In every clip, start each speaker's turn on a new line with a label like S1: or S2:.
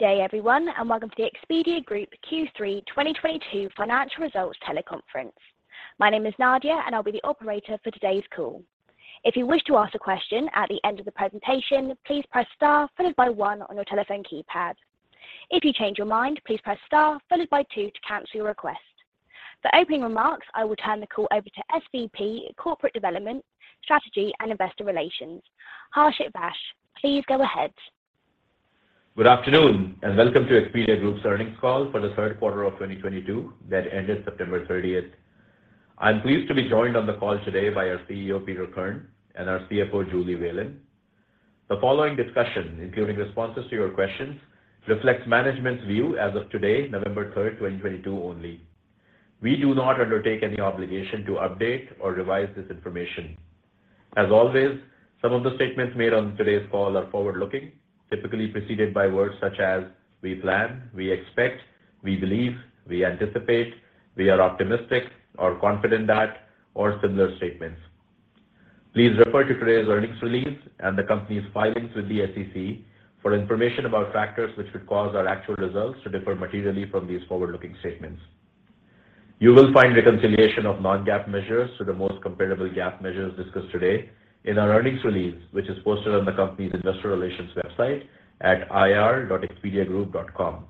S1: Good day, everyone, and welcome to the Expedia Group Q3 2022 financial results teleconference. My name is Nadia, and I'll be the operator for today's call. If you wish to ask a question at the end of the presentation, please press star followed by one on your telephone keypad. If you change your mind, please press star followed by two to cancel your request. For opening remarks, I will turn the call over to SVP, Corporate Development, Strategy and Investor Relations, Harshit Vaish. Please go ahead.
S2: Good afternoon, and welcome to Expedia Group's earnings call for the third quarter of 2022 that ended September 30. I'm pleased to be joined on the call today by our CEO, Peter Kern, and our CFO, Julie Whalen. The following discussion, including responses to your questions, reflects management's view as of today, November 3, 2022 only. We do not undertake any obligation to update or revise this information. As always, some of the statements made on today's call are forward-looking, typically preceded by words such as "we plan," "we expect," "we believe," "we anticipate," "we are optimistic" or "confident that," or similar statements. Please refer to today's earnings release and the company's filings with the SEC for information about factors which could cause our actual results to differ materially from these forward-looking statements. You will find reconciliation of non-GAAP measures to the most comparable GAAP measures discussed today in our earnings release, which is posted on the company's investor relations website at ir.expediagroup.com.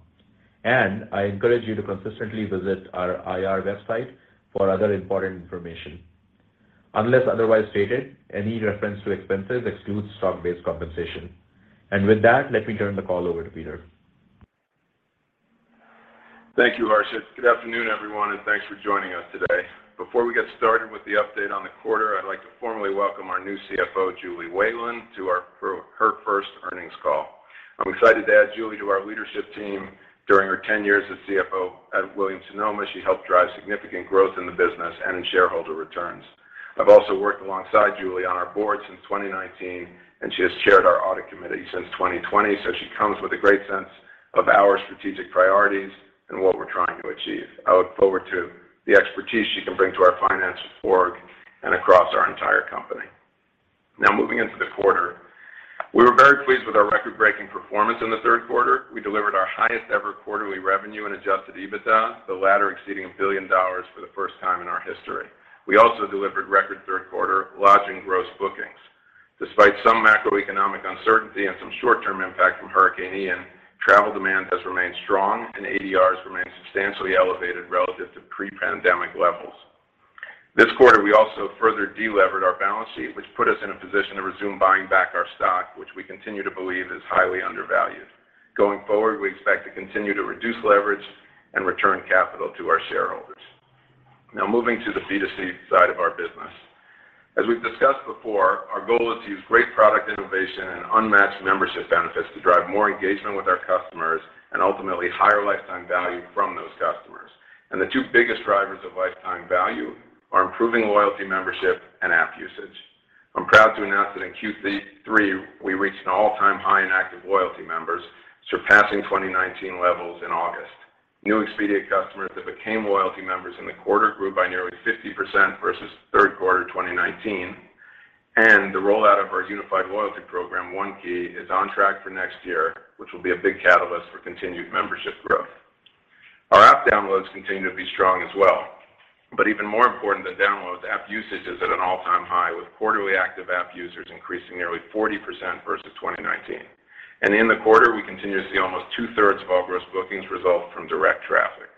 S2: I encourage you to consistently visit our IR website for other important information. Unless otherwise stated, any reference to expenses excludes stock-based compensation. With that, let me turn the call over to Peter.
S3: Thank you, Harshit. Good afternoon, everyone, and thanks for joining us today. Before we get started with the update on the quarter, I'd like to formally welcome our new CFO, Julie Whalen, to her first earnings call. I'm excited to add Julie to our leadership team. During her ten years as CFO at Williams-Sonoma, she helped drive significant growth in the business and in shareholder returns. I've also worked alongside Julie on our board since 2019, and she has chaired our audit committee since 2020, so she comes with a great sense of our strategic priorities and what we're trying to achieve. I look forward to the expertise she can bring to our finance org and across our entire company. Now moving into the quarter. We were very pleased with our record-breaking performance in the third quarter. We delivered our highest ever quarterly revenue and Adjusted EBITDA, the latter exceeding $1 billion for the first time in our history. We also delivered record third quarter lodging gross bookings. Despite some macroeconomic uncertainty and some short-term impact from Hurricane Ian, travel demand has remained strong, and ADR remain substantially elevated relative to pre-pandemic levels. This quarter, we also further delevered our balance sheet, which put us in a position to resume buying back our stock, which we continue to believe is highly undervalued. Going forward, we expect to continue to reduce leverage and return capital to our shareholders. Now moving to the B2C side of our business. As we've discussed before, our goal is to use great product innovation and unmatched membership benefits to drive more engagement with our customers and ultimately higher lifetime value from those customers. The two biggest drivers of lifetime value are improving loyalty membership and app usage. I'm proud to announce that in Q3 we reached an all-time high in active loyalty members, surpassing 2019 levels in August. New Expedia customers that became loyalty members in the quarter grew by nearly 50% versus third quarter 2019, and the rollout of our unified loyalty program, One Key, is on track for next year, which will be a big catalyst for continued membership growth. Our app downloads continue to be strong as well. Even more important than downloads, app usage is at an all-time high, with quarterly active app users increasing nearly 40% versus 2019. In the quarter, we continue to see almost 2/3 of all gross bookings result from direct traffic.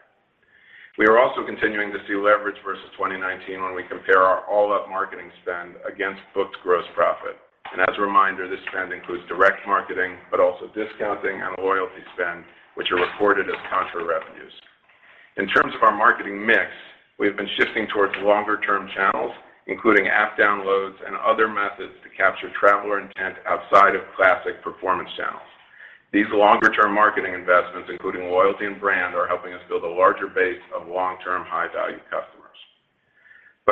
S3: We are also continuing to see leverage versus 2019 when we compare our all-up marketing spend against booked gross profit. As a reminder, this spend includes direct marketing, but also discounting and loyalty spend, which are recorded as contra revenues. In terms of our marketing mix, we have been shifting towards longer-term channels, including app downloads and other methods to capture traveler intent outside of classic performance channels. These longer-term marketing investments, including loyalty and brand, are helping us build a larger base of long-term, high-value customers.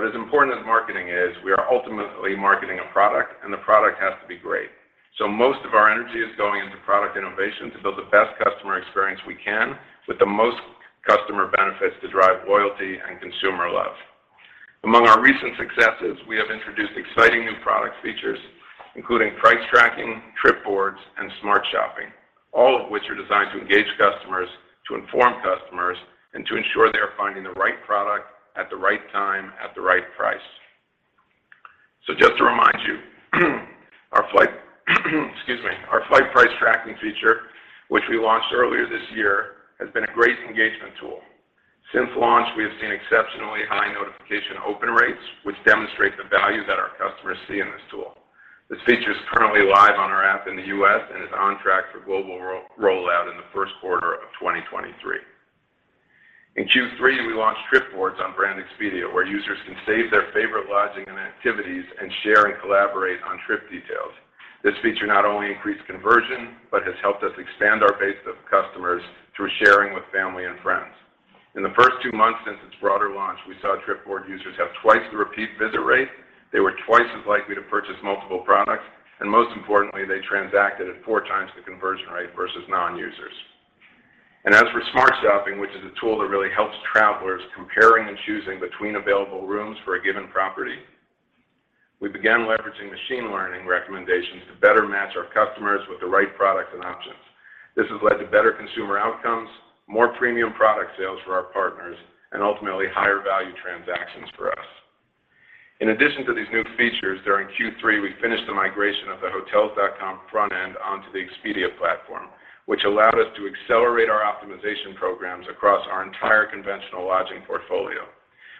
S3: As important as marketing is, we are ultimately marketing a product, and the product has to be great. Most of our energy is going into product innovation to build the best customer experience we can with the most customer benefits to drive loyalty and consumer love. Among our recent successes, we have introduced exciting new product features, including Airfare Tracker, Trip Boards, and Smart Shopping, all of which are designed to engage customers, to inform customers, and to ensure they are finding the right product at the right time at the right price. Just to remind you, our flight price tracking feature, which we launched earlier this year, has been a great engagement tool. Since launch, we have seen exceptionally high notification open rates, which demonstrate the value that our customers see in this tool. This feature is currently live on our app in the U.S. and is on track for global rollout in the first quarter of 2023. In Q3, we launched Trip Boards on brand Expedia, where users can save their favorite lodging and activities and share and collaborate on trip details. This feature not only increased conversion, but has helped us expand our base of customers through sharing with family and friends. In the first two months since its broader launch, we saw Trip Boards users have twice the repeat visit rate, they were twice as likely to purchase multiple products, and most importantly, they transacted at four times the conversion rate versus non-users. As for Smart Shopping, which is a tool that really helps travelers comparing and choosing between available rooms for a given property. We began leveraging machine learning recommendations to better match our customers with the right products and options. This has led to better consumer outcomes, more premium product sales for our partners, and ultimately higher value transactions for us. In addition to these new features during Q3, we finished the migration of the Hotels.com front end onto the Expedia platform, which allowed us to accelerate our optimization programs across our entire conventional lodging portfolio.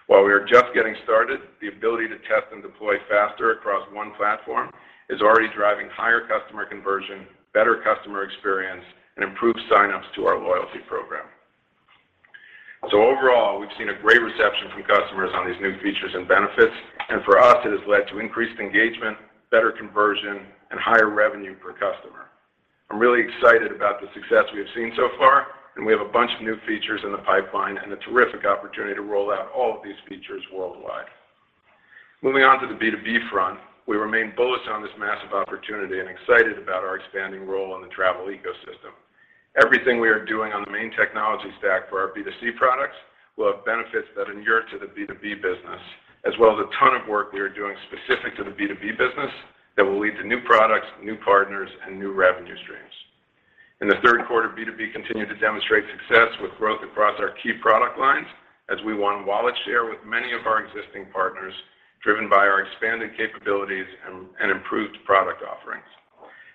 S3: While we are just getting started, the ability to test and deploy faster across one platform is already driving higher customer conversion, better customer experience, and improved sign-ups to our loyalty program. Overall, we've seen a great reception from customers on these new features and benefits, and for us it has led to increased engagement, better conversion, and higher revenue per customer. I'm really excited about the success we have seen so far, and we have a bunch of new features in the pipeline and a terrific opportunity to roll out all of these features worldwide. Moving on to the B2B front, we remain bullish on this massive opportunity and excited about our expanding role in the travel ecosystem. Everything we are doing on the main technology stack for our B2C products will have benefits that inure to the B2B business, as well as a ton of work we are doing specific to the B2B business that will lead to new products, new partners, and new revenue streams. In the third quarter, B2B continued to demonstrate success with growth across our key product lines as we won wallet share with many of our existing partners, driven by our expanded capabilities and improved product offerings.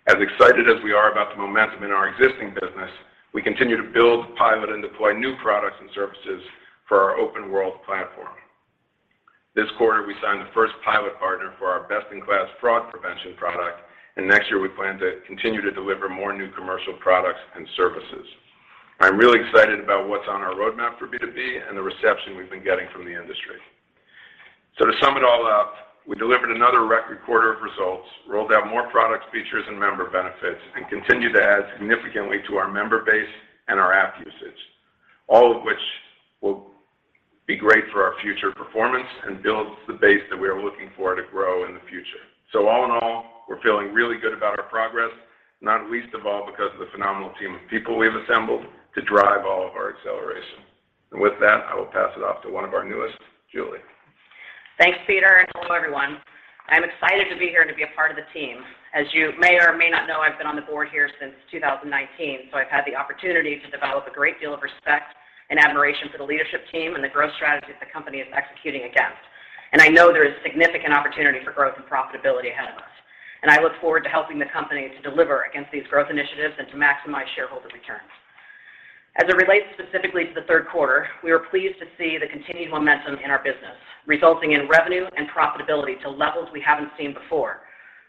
S3: As excited as we are about the momentum in our existing business, we continue to build, pilot, and deploy new products and services for our Open World platform. This quarter we signed the first pilot partner for our best-in-class fraud prevention product, and next year we plan to continue to deliver more new commercial products and services. I'm really excited about what's on our roadmap for B2B and the reception we've been getting from the industry. To sum it all up, we delivered another record quarter of results, rolled out more products, features and member benefits, and continued to add significantly to our member base and our app usage. All of which will be great for our future performance and builds the base that we are looking for to grow in the future. All in all, we're feeling really good about our progress, not least of all because of the phenomenal team of people we have assembled to drive all of our acceleration. With that, I will pass it off to one of our newest, Julie.
S4: Thanks, Peter, and hello, everyone. I'm excited to be here and to be a part of the team. As you may or may not know, I've been on the board here since 2019, so I've had the opportunity to develop a great deal of respect and admiration for the leadership team and the growth strategy that the company is executing against. I know there is significant opportunity for growth and profitability ahead of us, and I look forward to helping the company to deliver against these growth initiatives and to maximize shareholder returns. As it relates specifically to the third quarter, we were pleased to see the continued momentum in our business resulting in revenue and profitability to levels we haven't seen before,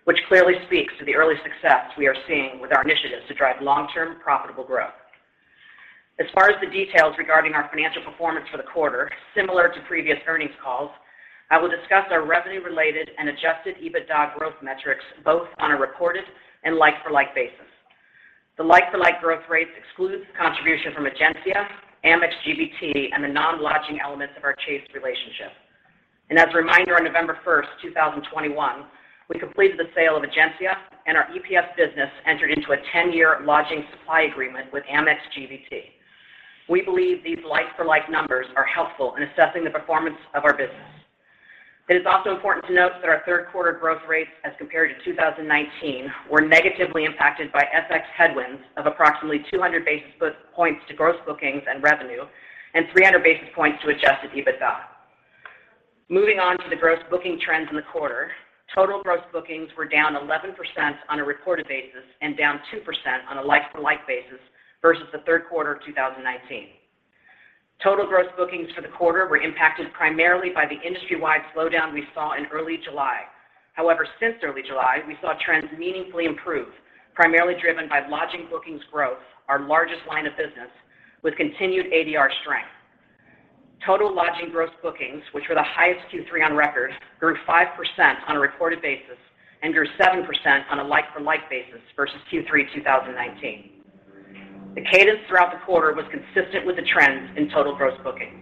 S4: which clearly speaks to the early success we are seeing with our initiatives to drive long-term profitable growth. As far as the details regarding our financial performance for the quarter, similar to previous earnings calls, I will discuss our revenue-related and Adjusted EBITDA growth metrics both on a reported and like-for-like basis. The like-for-like growth rates excludes contribution from Egencia, Amex GBT, and the non-lodging elements of our Chase relationship. As a reminder, on November 1, 2021, we completed the sale of Egencia and our EPS business entered into a ten-year lodging supply agreement with Amex GBT. We believe these like-for-like numbers are helpful in assessing the performance of our business. It is also important to note that our third quarter growth rates as compared to 2019 were negatively impacted by FX headwinds of approximately 200 basis points to gross bookings and revenue and 300 basis points to Adjusted EBITDA. Moving on to the gross booking trends in the quarter. Total gross bookings were down 11% on a reported basis and down 2% on a like-for-like basis versus the third quarter of 2019. Total gross bookings for the quarter were impacted primarily by the industry-wide slowdown we saw in early July. However, since early July, we saw trends meaningfully improve, primarily driven by lodging bookings growth, our largest line of business with continued ADR strength. Total lodging gross bookings, which were the highest Q3 on record, grew 5% on a reported basis and grew 7% on a like-for-like basis versus Q3 2019. The cadence throughout the quarter was consistent with the trends in total gross bookings.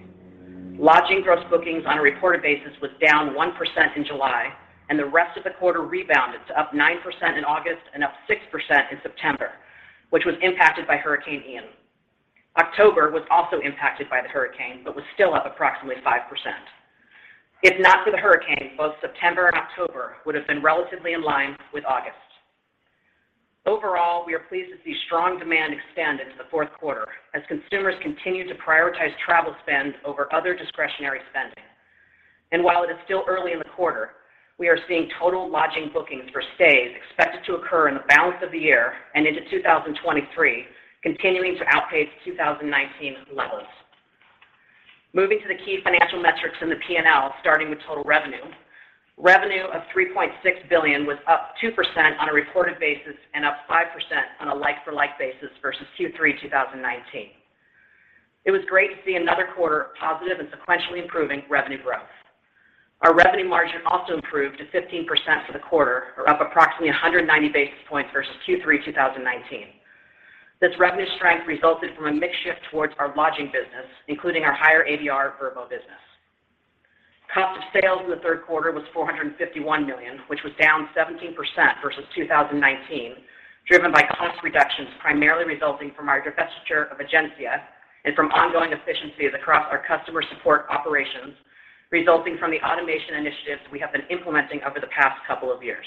S4: Lodging gross bookings on a reported basis was down 1% in July, and the rest of the quarter rebounded to up 9% in August and up 6% in September, which was impacted by Hurricane Ian. October was also impacted by the hurricane, but was still up approximately 5%. If not for the hurricane, both September and October would have been relatively in line with August. Overall, we are pleased to see strong demand extend into the fourth quarter as consumers continue to prioritize travel spend over other discretionary spending. While it is still early in the quarter, we are seeing total lodging bookings for stays expected to occur in the balance of the year and into 2023 continuing to outpace 2019 levels. Moving to the key financial metrics in the P&L, starting with total revenue. Revenue of $3.6 billion was up 2% on a reported basis and up 5% on a like-for-like basis versus Q3 2019. It was great to see another quarter of positive and sequentially improving revenue growth. Our revenue margin also improved to 15% for the quarter, or up approximately 190 basis points versus Q3 2019. This revenue strength resulted from a mix shift towards our lodging business, including our higher ADR Vrbo business. Cost of sales in the third quarter was $451 million, which was down 17% versus 2019. Driven by cost reductions primarily resulting from our divestiture of Egencia and from ongoing efficiencies across our customer support operations resulting from the automation initiatives we have been implementing over the past couple of years.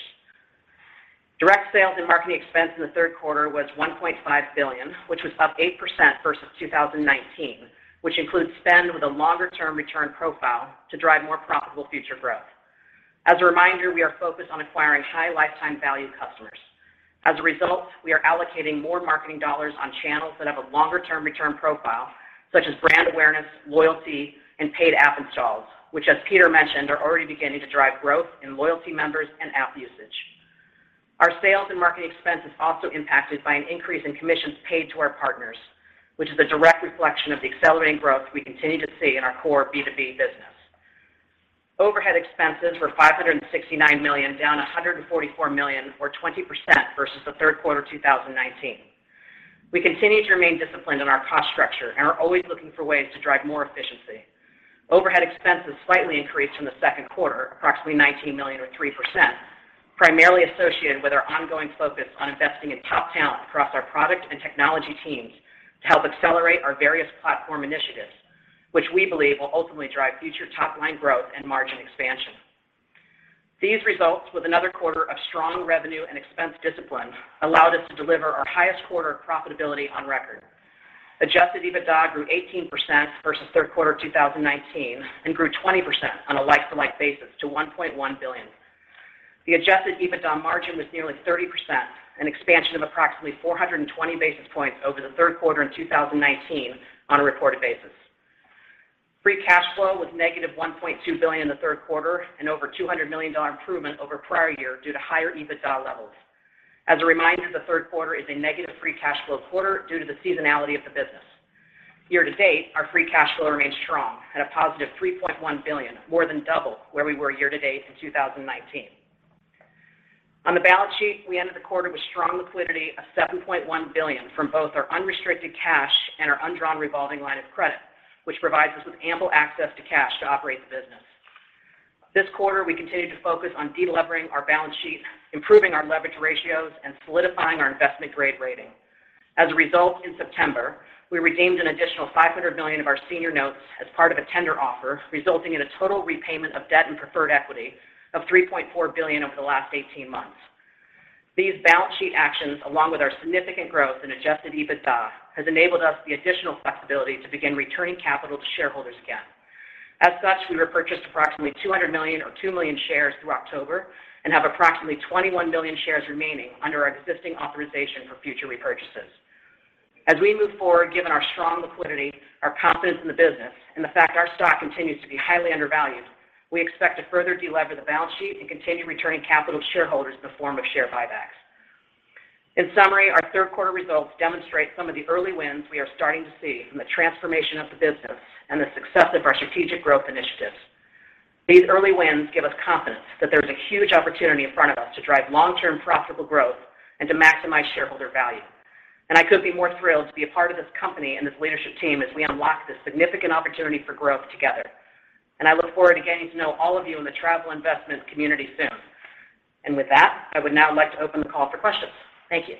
S4: Direct sales and marketing expense in the third quarter was $1.5 billion, which was up 8% versus 2019, which includes spend with a longer-term return profile to drive more profitable future growth. As a reminder, we are focused on acquiring high lifetime value customers. As a result, we are allocating more marketing dollars on channels that have a longer-term return profile, such as brand awareness, loyalty, and paid app installs, which, as Peter mentioned, are already beginning to drive growth in loyalty members and app usage. Our sales and marketing expense is also impacted by an increase in commissions paid to our partners, which is a direct reflection of the accelerating growth we continue to see in our core B2B business. Overhead expenses were $569 million, down $144 million, or 20% versus the third quarter of 2019. We continue to remain disciplined in our cost structure and are always looking for ways to drive more efficiency. Overhead expenses slightly increased from the second quarter, approximately $19 million or 3%, primarily associated with our ongoing focus on investing in top talent across our product and technology teams to help accelerate our various platform initiatives, which we believe will ultimately drive future top line growth and margin expansion. These results, with another quarter of strong revenue and expense discipline, allowed us to deliver our highest quarter of profitability on record. Adjusted EBITDA grew 18% versus third quarter of 2019 and grew 20% on a like-for-like basis to $1.1 billion. The Adjusted EBITDA margin was nearly 30%, an expansion of approximately 420 basis points over the third quarter in 2019 on a reported basis. Free cash flow was -$1.2 billion in the third quarter and over $200 million improvement over prior year due to higher EBITDA levels. As a reminder, the third quarter is a negative free cash flow quarter due to the seasonality of the business. Year to date, our free cash flow remains strong at a +$3.1 billion, more than double where we were year to date in 2019. On the balance sheet, we ended the quarter with strong liquidity of $7.1 billion from both our unrestricted cash and our undrawn revolving line of credit, which provides us with ample access to cash to operate the business. This quarter, we continued to focus on delevering our balance sheet, improving our leverage ratios, and solidifying our investment grade rating. As a result, in September, we redeemed an additional $500 million of our senior notes as part of a tender offer, resulting in a total repayment of debt and preferred equity of $3.4 billion over the last 18 months. These balance sheet actions, along with our significant growth in Adjusted EBITDA, has enabled us the additional flexibility to begin returning capital to shareholders again. As such, we repurchased approximately 200 million or 2 million shares through October and have approximately 21 million shares remaining under our existing authorization for future repurchases. As we move forward, given our strong liquidity, our confidence in the business and the fact our stock continues to be highly undervalued, we expect to further delever the balance sheet and continue returning capital to shareholders in the form of share buybacks. In summary, our third quarter results demonstrate some of the early wins we are starting to see from the transformation of the business and the success of our strategic growth initiatives. These early wins give us confidence that there's a huge opportunity in front of us to drive long-term profitable growth and to maximize shareholder value. I couldn't be more thrilled to be a part of this company and this leadership team as we unlock this significant opportunity for growth together. I look forward to getting to know all of you in the travel investment community soon. With that, I would now like to open the call for questions. Thank you.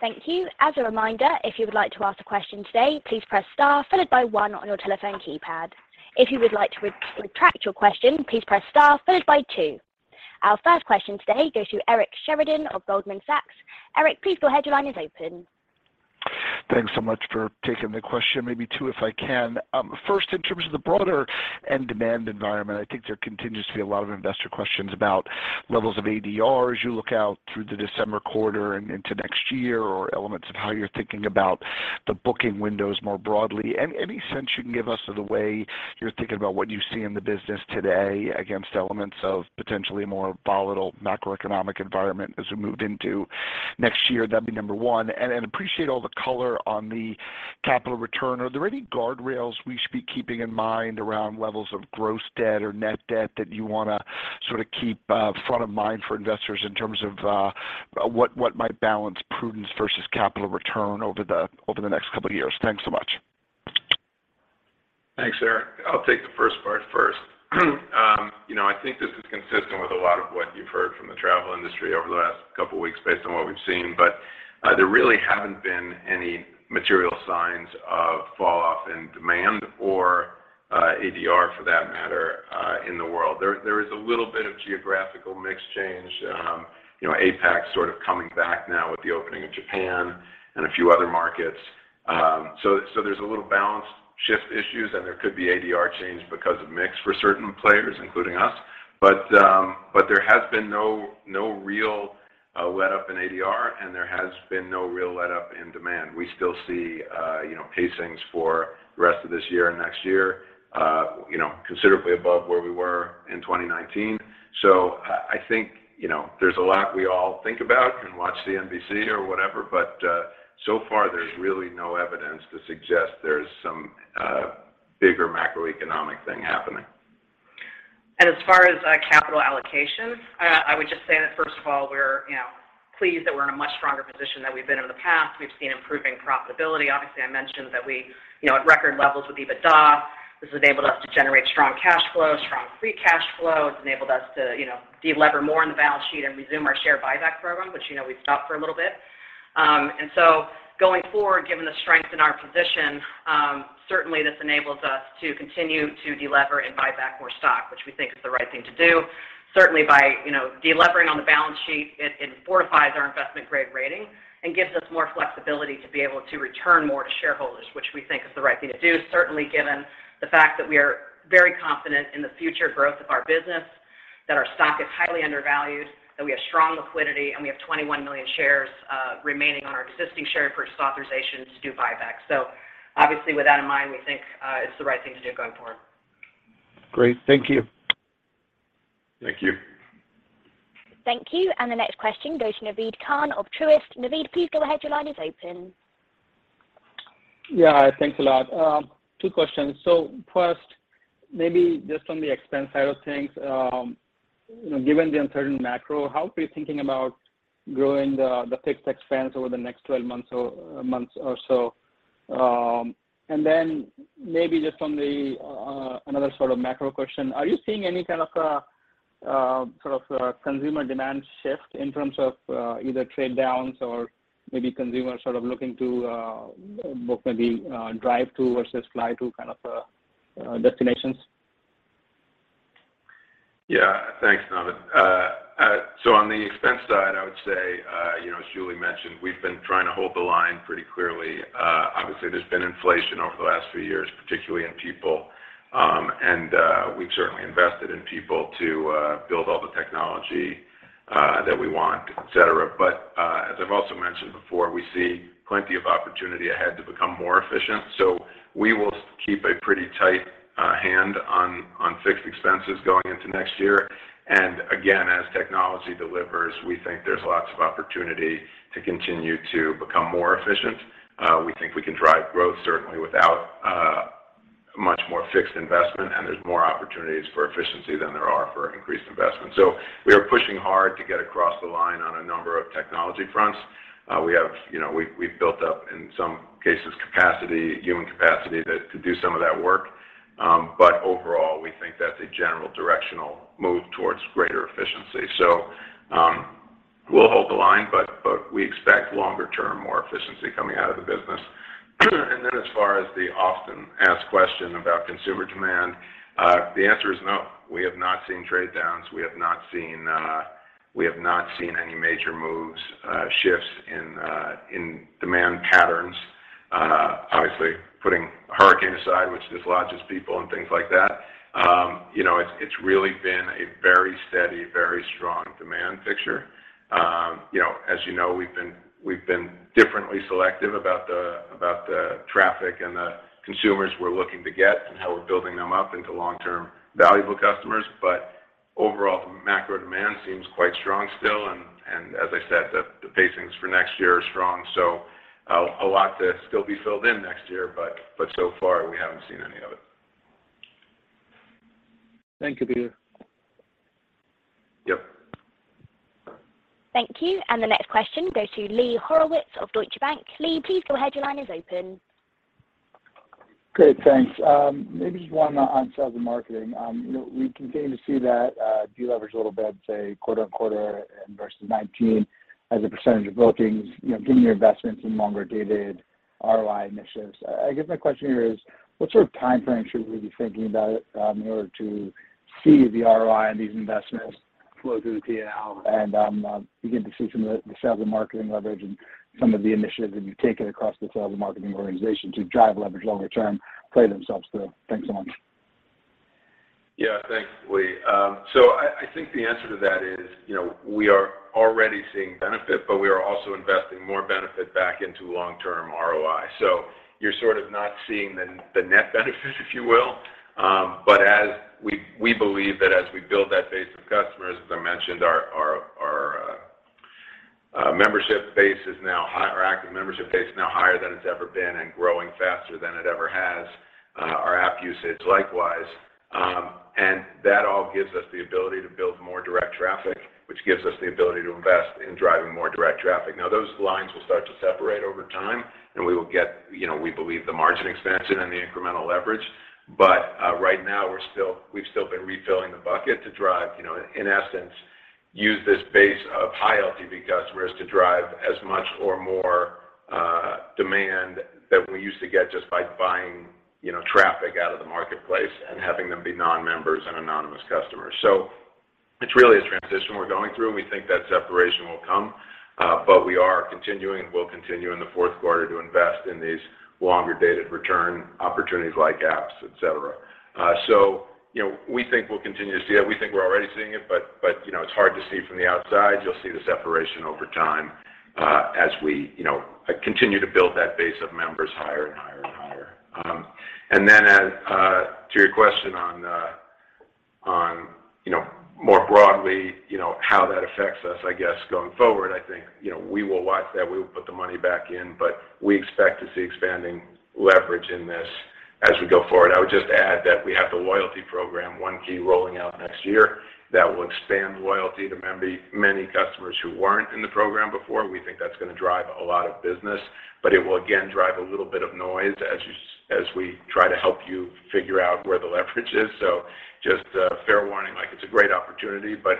S1: Thank you. As a reminder, if you would like to ask a question today, please press star followed by one on your telephone keypad. If you would like to withdraw your question, please press star followed by two. Our first question today goes to Eric Sheridan of Goldman Sachs. Eric, please go ahead. Your line is open.
S5: Thanks so much for taking the question. Maybe two, if I can. First, in terms of the broader end demand environment, I think there continues to be a lot of investor questions about levels of ADR as you look out through the December quarter and into next year, or elements of how you're thinking about the booking windows more broadly. Any sense you can give us of the way you're thinking about what you see in the business today against elements of potentially a more volatile macroeconomic environment as we move into next year? That'd be number one. Appreciate all the color on the capital return. Are there any guardrails we should be keeping in mind around levels of gross debt or net debt that you wanna sorta keep front of mind for investors in terms of what might balance prudence versus capital return over the next couple of years? Thanks so much.
S3: Thanks, Eric. I'll take the first part first. You know, I think this is consistent with a lot of what you've heard from the travel industry over the last couple of weeks based on what we've seen. There really haven't been any material signs of fall off in demand or ADR for that matter in the world. There is a little bit of geographical mix change. You know, APAC sort of coming back now with the opening of Japan and a few other markets. There's a little balance shift issues, and there could be ADR change because of mix for certain players, including us. There has been no real letup in ADR, and there has been no real letup in demand. We still see, you know, pacings for the rest of this year and next year, you know, considerably above where we were in 2019. I think, you know, there's a lot we all think about and watch CNBC or whatever, but so far there's really no evidence to suggest there's some bigger macroeconomic thing happening.
S4: As far as capital allocation, I would just say that first of all, we're, you know pleased that we're in a much stronger position than we've been in the past. We've seen improving profitability. Obviously, I mentioned that we, you know, at record levels with EBITDA. This has enabled us to generate strong cash flow, strong free cash flow. It's enabled us to, you know, delever more on the balance sheet and resume our share buyback program, which, you know, we've stopped for a little bit. Going forward, given the strength in our position, certainly this enables us to continue to delever and buy back more stock, which we think is the right thing to do. Certainly by, you know, delevering on the balance sheet, it fortifies our investment-grade rating and gives us more flexibility to be able to return more to shareholders, which we think is the right thing to do, certainly given the fact that we are very confident in the future growth of our business, that our stock is highly undervalued, that we have strong liquidity, and we have 21 million shares remaining on our existing share purchase authorization to do buybacks. Obviously with that in mind, we think it's the right thing to do going forward.
S5: Great. Thank you.
S3: Thank you.
S1: Thank you. The next question goes to Naved Khan of Truist. Naved, please go ahead. Your line is open.
S6: Yeah. Thanks a lot. Two questions. First, maybe just on the expense side of things, you know, given the uncertain macro, how are you thinking about growing the fixed expense over the next 12 months or so? Maybe just on the other sort of macro question, are you seeing any kind of a sort of consumer demand shift in terms of either trade downs or maybe consumers sort of looking to more maybe drive to versus fly to kind of destinations?
S3: Yeah. Thanks, Naved. So on the expense side, I would say, you know, as Julie mentioned, we've been trying to hold the line pretty clearly. Obviously there's been inflation over the last few years, particularly in people, and we've certainly invested in people to build all the technology that we want, et cetera. As I've also mentioned before, we see plenty of opportunity ahead to become more efficient. We will keep a pretty tight hand on fixed expenses going into next year. Again, as technology delivers, we think there's lots of opportunity to continue to become more efficient. We think we can drive growth certainly without much more fixed investment, and there's more opportunities for efficiency than there are for increased investment. We are pushing hard to get across the line on a number of technology fronts. You know, we've built up, in some cases, capacity, human capacity that could do some of that work. Overall, we think that's a general directional move towards greater efficiency. We'll hold the line, but we expect longer term, more efficiency coming out of the business. Then as far as the often asked question about consumer demand, the answer is no. We have not seen trade downs. We have not seen any major moves, shifts in demand patterns. Obviously putting hurricane aside, which dislodges people and things like that, you know, it's really been a very steady, very strong demand picture. You know, as you know, we've been differently selective about the traffic and the consumers we're looking to get and how we're building them up into long-term valuable customers. Overall, the macro demand seems quite strong still, and as I said, the pacings for next year are strong. A lot to still be filled in next year, but so far we haven't seen any of it.
S6: Thank you, Peter.
S3: Yep.
S1: Thank you. The next question goes to Lee Horowitz of Deutsche Bank. Lee, please go ahead. Your line is open.
S7: Great. Thanks. Maybe just one on sales and marketing. You know, we continue to see that, deleverage a little bit, say, quarter-over-quarter and versus 2019 as a percentage of bookings, you know, given your investments in longer-dated ROI initiatives. I guess my question here is, what sort of timeframe should we be thinking about, in order to see the ROI on these investments flow through the P&L and, begin to see some of the sales and marketing leverage and some of the initiatives that you've taken across the sales and marketing organization to drive leverage longer-term play themselves through? Thanks so much.
S3: Yeah. Thanks, Lee. I think the answer to that is, you know, we are already seeing benefit, but we are also investing more benefit back into long-term ROI. You're sort of not seeing the net benefit, if you will. We believe that as we build that base of customers, as I mentioned, our membership base is now—our active membership base is now higher than it's ever been and growing faster than it ever has. Our app usage, likewise. That all gives us the ability to build more direct traffic, which gives us the ability to invest in driving more direct traffic. Now, those lines will start to separate over time, and we will get, you know, we believe the margin expansion and the incremental leverage. Right now we've still been refilling the bucket to drive, you know, in essence, use this base of high LTV customers to drive as much or more demand that we used to get just by buying, you know, traffic out of the marketplace and having them be non-members and anonymous customers. It's really a transition we're going through, and we think that separation will come. We will continue in the fourth quarter to invest in these longer dated return opportunities like apps, et cetera. You know, we think we'll continue to see it. We think we're already seeing it, but you know, it's hard to see from the outside. You'll see the separation over time, as we, you know, continue to build that base of members higher and higher and higher. To your question on, you know, more broadly, you know, how that affects us, I guess, going forward, I think, you know, we will watch that. We will put the money back in, but we expect to see expanding leverage in this as we go forward. I would just add that we have the loyalty program, One Key, rolling out next year. That will expand loyalty to many customers who weren't in the program before. We think that's gonna drive a lot of business, but it will again, drive a little bit of noise as we try to help you figure out where the leverage is. Just a fair warning, like it's a great opportunity, but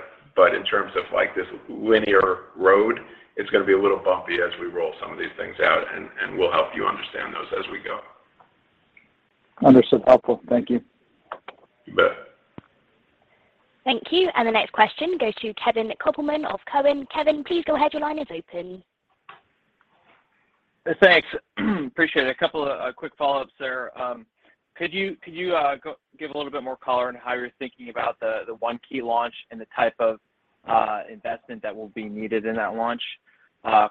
S3: in terms of like this linear road, it's gonna be a little bumpy as we roll some of these things out and we'll help you understand those as we go.
S7: Understood. Helpful. Thank you.
S3: You bet.
S1: Thank you. The next question goes to Kevin Kopelman of Cowen. Kevin, please go ahead. Your line is open.
S8: Thanks. Appreciate it. A couple of quick follow-ups there. Could you give a little bit more color on how you're thinking about the One Key launch and the type of investment that will be needed in that launch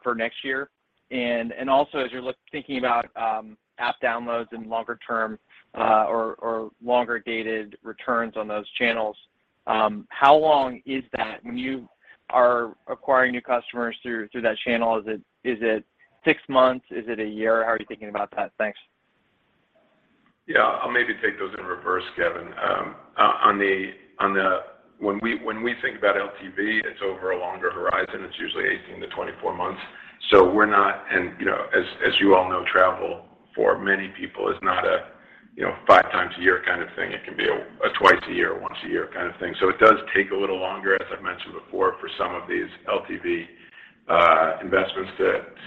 S8: for next year? And also as you're thinking about app downloads and longer term or longer dated returns on those channels, how long is that when you are acquiring new customers through that channel? Is it six months? Is it a year? How are you thinking about that? Thanks.
S3: Yeah. I'll maybe take those in reverse, Kevin. When we think about LTV, it's over a longer horizon. It's usually 18-24 months. We're not. You know, as you all know, travel for many people is not you know, five times a year kind of thing. It can be twice a year, once a year kind of thing. It does take a little longer, as I've mentioned before, for some of these LTV investments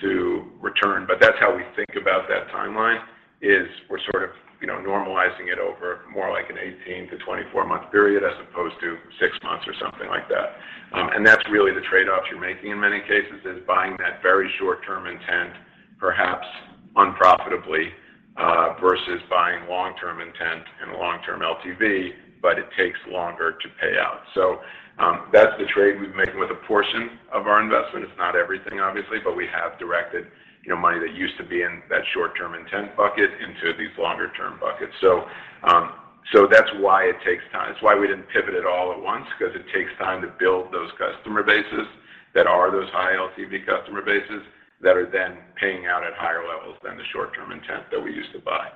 S3: to return. That's how we think about that timeline, is we're sort of you know, normalizing it over more like an 18-24 month period as opposed to six months or something like that. That's really the trade-offs you're making in many cases, is buying that very short-term intent, perhaps unprofitably, versus buying long-term intent and long-term LTV, but it takes longer to pay out. That's the trade we've made with a portion of our investment. It's not everything obviously, but we have directed, you know, money that used to be in that short term intent bucket into these longer term buckets. That's why it takes time. It's why we didn't pivot it all at once 'cause it takes time to build those customer bases that are those high LTV customer bases that are then paying out at higher levels than the short-term intent that we used to buy.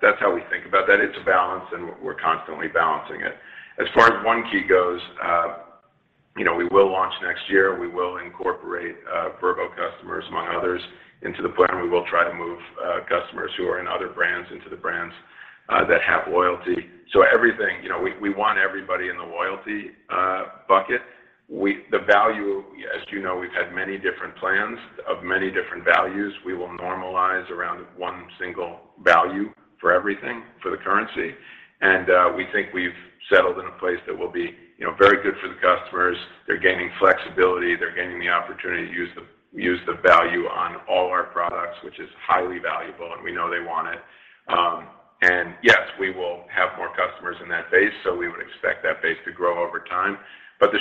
S3: That's how we think about that. It's a balance and we're constantly balancing it. As far as One Key goes, you know, we will launch next year. We will incorporate Vrbo customers among others into the plan. We will try to move customers who are in other brands into the brands that have loyalty. Everything, you know, we want everybody in the loyalty bucket. The value, as you know, we've had many different plans of many different values. We will normalize around one single value for everything, for the currency. We think we've settled in a place that will be, you know, very good for the customers. They're gaining flexibility. They're gaining the opportunity to use the value on all our products, which is highly valuable, and we know they want it. Yes, we will have more customers in that base, so we would expect that base to grow over time. The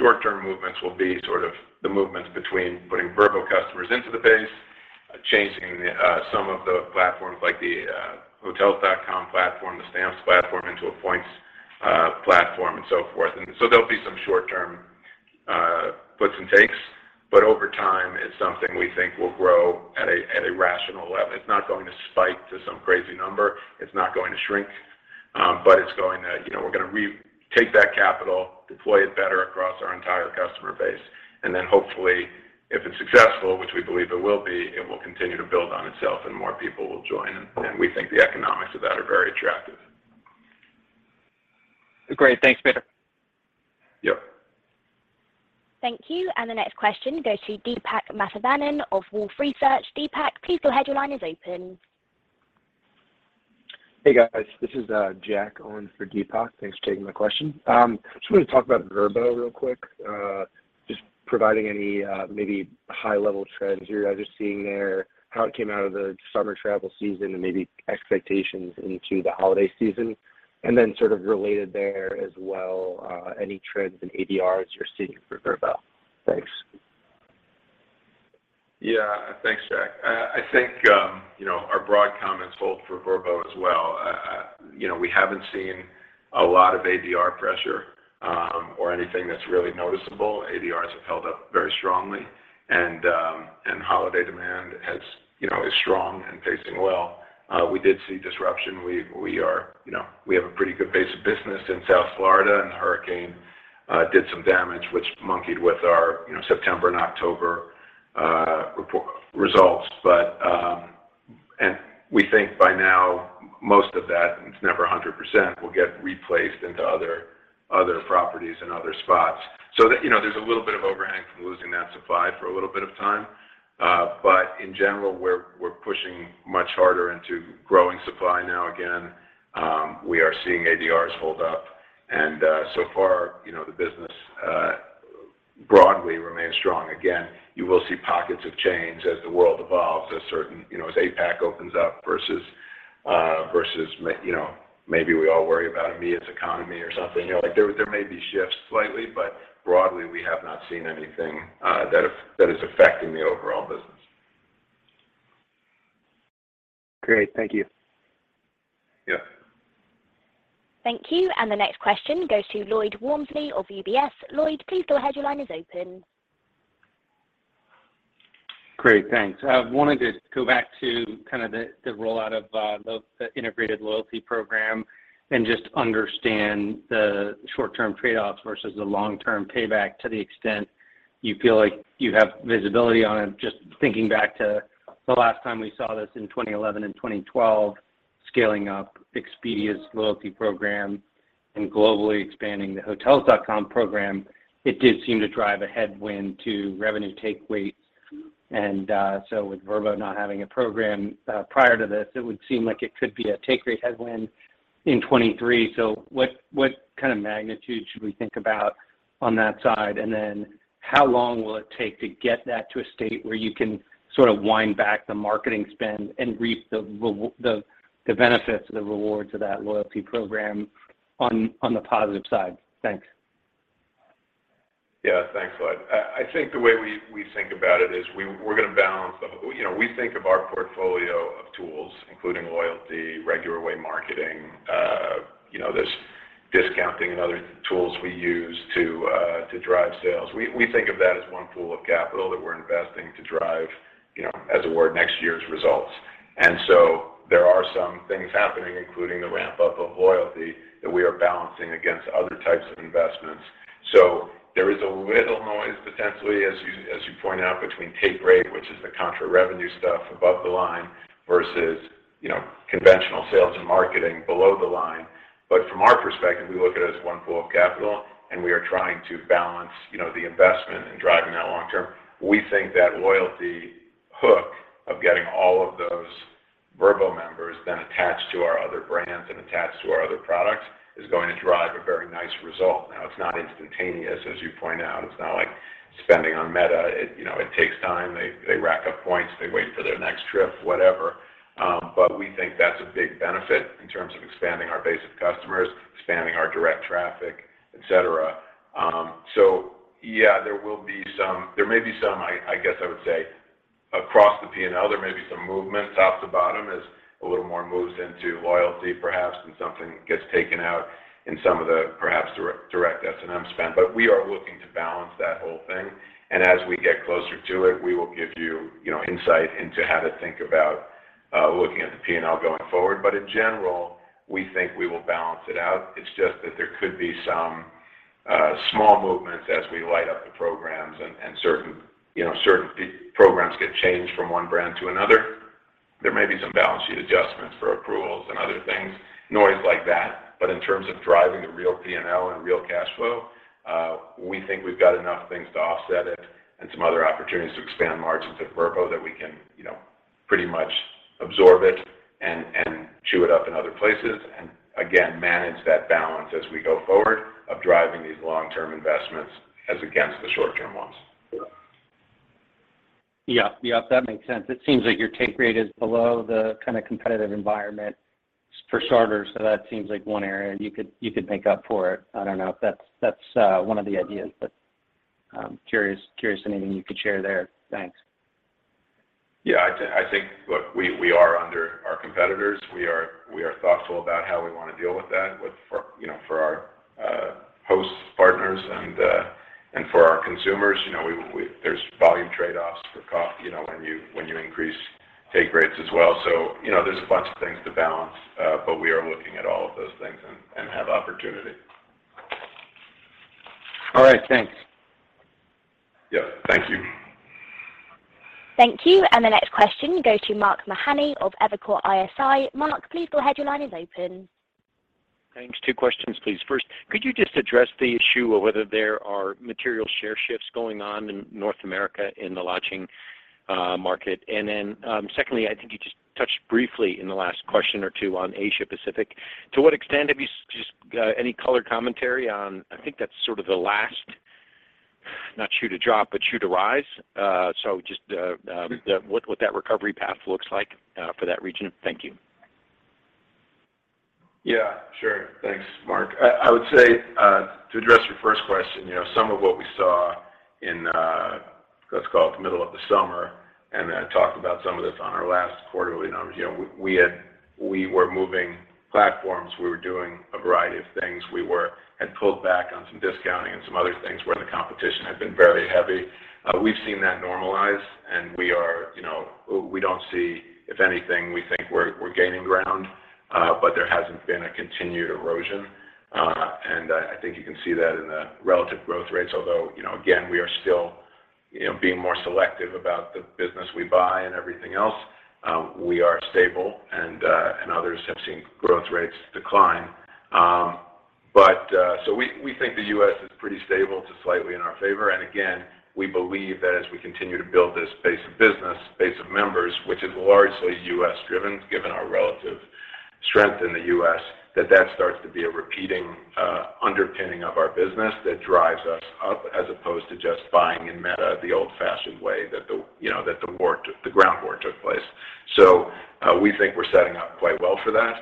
S3: short term movements will be sort of the movements between putting Vrbo customers into the base, changing some of the platforms like the Hotels.com platform, the Stamps platform into a points platform and so forth. There'll be some short term puts and takes, but over time it's something we think will grow at a rational level. It's not going to spike to some crazy number. It's not going to shrink, but it's going to. You know, we're gonna take that capital, deploy it better across our entire customer base, and then hopefully if it's successful, which we believe it will be, it will continue to build on itself and more people will join, and we think the economics of that are very attractive.
S8: Great. Thanks, Peter.
S3: Yep.
S1: Thank you. The next question goes to Deepak Mathivanan of Wolfe Research. Deepak, please go ahead. Your line is open.
S9: Hey, guys. This is Jack on for Deepak. Thanks for taking my question. Just wanted to talk about Vrbo real quick. Just providing any, maybe high level trends you're either seeing there, how it came out of the summer travel season and maybe expectations into the holiday season. Sort of related there as well, any trends in ADR you're seeing for Vrbo. Thanks.
S3: Yeah. Thanks, Jack. I think, you know, our broad comments hold for Vrbo as well. You know, we haven't seen a lot of ADR pressure, or anything that's really noticeable. ADR have held up very strongly and holiday demand, you know, is strong and pacing well. We did see disruption. We have a pretty good base of business in South Florida, and the hurricane did some damage, which monkeyed with our, you know, September and October results. We think by now most of that, it's never 100%, will get replaced into other properties and other spots. That, you know, there's a little bit of overhang from losing that supply for a little bit of time. In general, we're pushing much harder into growing supply now again. We are seeing ADR hold up and, so far, you know, the business broadly remains strong. Again, you will see pockets of change as the world evolves as certain, you know, as APAC opens up versus maybe we all worry about EMEA's economy or something. You know, like there may be shifts slightly, but broadly we have not seen anything that is affecting the overall business.
S9: Great. Thank you.
S3: Yeah.
S1: Thank you. The next question goes to Lloyd Walmsley of UBS. Lloyd, please go ahead. Your line is open.
S10: Great. Thanks. I wanted to go back to kind of the rollout of the integrated loyalty program and just understand the short-term trade-offs versus the long-term payback to the extent you feel like you have visibility on it. Just thinking back to the last time we saw this in 2011 and 2012, scaling up Expedia's loyalty program and globally expanding the Hotels.com program, it did seem to drive a headwind to revenue take rates. With Vrbo not having a program prior to this, it would seem like it could be a take rate headwind in 2023. What kind of magnitude should we think about on that side? How long will it take to get that to a state where you can sort of wind back the marketing spend and reap the benefits, the rewards of that loyalty program on the positive side? Thanks.
S3: Yeah. Thanks, Lloyd. I think the way we think about it is we're gonna balance the. You know, we think of our portfolio of tools, including loyalty, regular way marketing, you know, this discounting and other tools we use to drive sales. We think of that as one pool of capital that we're investing to drive, you know, as it were next year's results. There are some things happening, including the ramp up of loyalty that we are balancing against other types of investments. There is a little noise potentially, as you pointed out, between take rate, which is the contra revenue stuff above the line versus, you know, conventional sales and marketing below the line. From our perspective, we look at it as one pool of capital, and we are trying to balance, you know, the investment in driving that long term. We think that loyalty hook of getting all of those Vrbo members then attached to our other brands and attached to our other products is going to drive a very nice result. Now it's not instantaneous, as you point out. It's not like spending on Meta. It, you know, it takes time. They rack up points, they wait for their next trip, whatever. We think that's a big benefit in terms of expanding our base of customers, expanding our direct traffic, et cetera. Yeah, there will be some. There may be some, I guess I would say across the P&L, there may be some movement top to bottom as a little more moves into loyalty perhaps, and something gets taken out in some of the perhaps direct S&M spend. We are looking to balance that whole thing, and as we get closer to it, we will give you know, insight into how to think about looking at the P&L going forward. In general, we think we will balance it out. It's just that there could be some small movements as we light up the programs and certain programs get changed from one brand to another. There may be some balance sheet adjustments for accruals and other things, noise like that. In terms of driving the real P&L and real cash flow, we think we've got enough things to offset it and some other opportunities to expand margins at Vrbo that we can, you know, pretty much absorb it and chew it up in other places, and again, manage that balance as we go forward of driving these long-term investments as against the short-term ones.
S10: Yeah. Yeah, that makes sense. It seems like your take rate is below the kind of competitive environment for starters, so that seems like one area you could make up for it. I don't know if that's one of the ideas, but I'm curious anything you could share there. Thanks.
S3: Yeah, I think. Look, we are under our competitors. We are thoughtful about how we want to deal with that, for you know, for our host partners and for our consumers. You know, there's volume trade-offs for cost, you know, when you increase take rates as well. You know, there's a bunch of things to balance, but we are looking at all of those things and have opportunity.
S10: All right, thanks.
S3: Yeah. Thank you.
S1: Thank you. The next question goes to Mark Mahaney of Evercore ISI. Mark, please go ahead. Your line is open.
S11: Thanks. Two questions, please. First, could you just address the issue of whether there are material share shifts going on in North America in the lodging market? Secondly, I think you just touched briefly in the last question or two on Asia-Pacific. Just any color commentary on, I think that's sort of the last, not shoe to drop, but shoe to rise. Just what that recovery path looks like for that region. Thank you.
S3: Yeah, sure. Thanks, Mark. I would say to address your first question, you know, some of what we saw in, let's call it the middle of the summer, and I talked about some of this on our last quarterly numbers. You know, we were moving platforms. We were doing a variety of things. We had pulled back on some discounting and some other things where the competition had been very heavy. We've seen that normalize, and we are, you know. We don't see. If anything, we think we're gaining ground, but there hasn't been a continued erosion. And I think you can see that in the relative growth rates. Although, you know, again, we are still, you know, being more selective about the business we buy and everything else. We are stable and others have seen growth rates decline. We think the U.S. is pretty stable to slightly in our favor. Again, we believe that as we continue to build this base of business, base of members, which is largely U.S. driven, given our relative strength in the U.S., that starts to be a repeating underpinning of our business that drives us up as opposed to just buying media the old-fashioned way that the, you know, ground war took place. We think we're setting up quite well for that,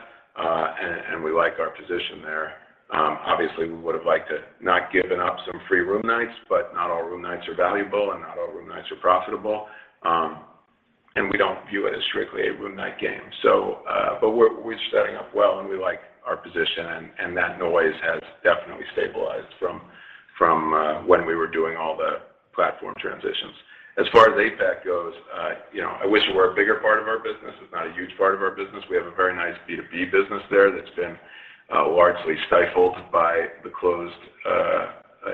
S3: and we like our position there. Obviously, we would've liked to not given up some free room nights, but not all room nights are valuable and not all room nights are profitable. We don't view it as strictly a room night game. We're starting off well and we like our position and that noise has definitely stabilized from when we were doing all the platform transitions. As far as APAC goes, you know, I wish it were a bigger part of our business. It's not a huge part of our business. We have a very nice B2B business there that's been largely stifled by the closed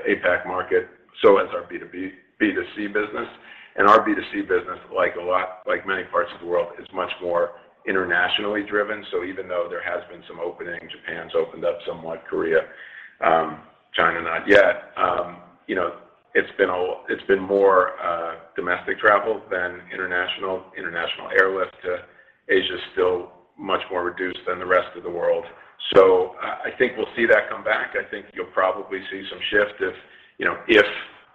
S3: APAC market, so has our B2B-B2C business. Our B2C business, like many parts of the world, is much more internationally driven. Even though there has been some opening, Japan's opened up somewhat, Korea, China, not yet, you know, it's been more domestic travel than international airlifts. Asia is still much more reduced than the rest of the world. I think we'll see that come back. I think you'll probably see some shift if, you know, if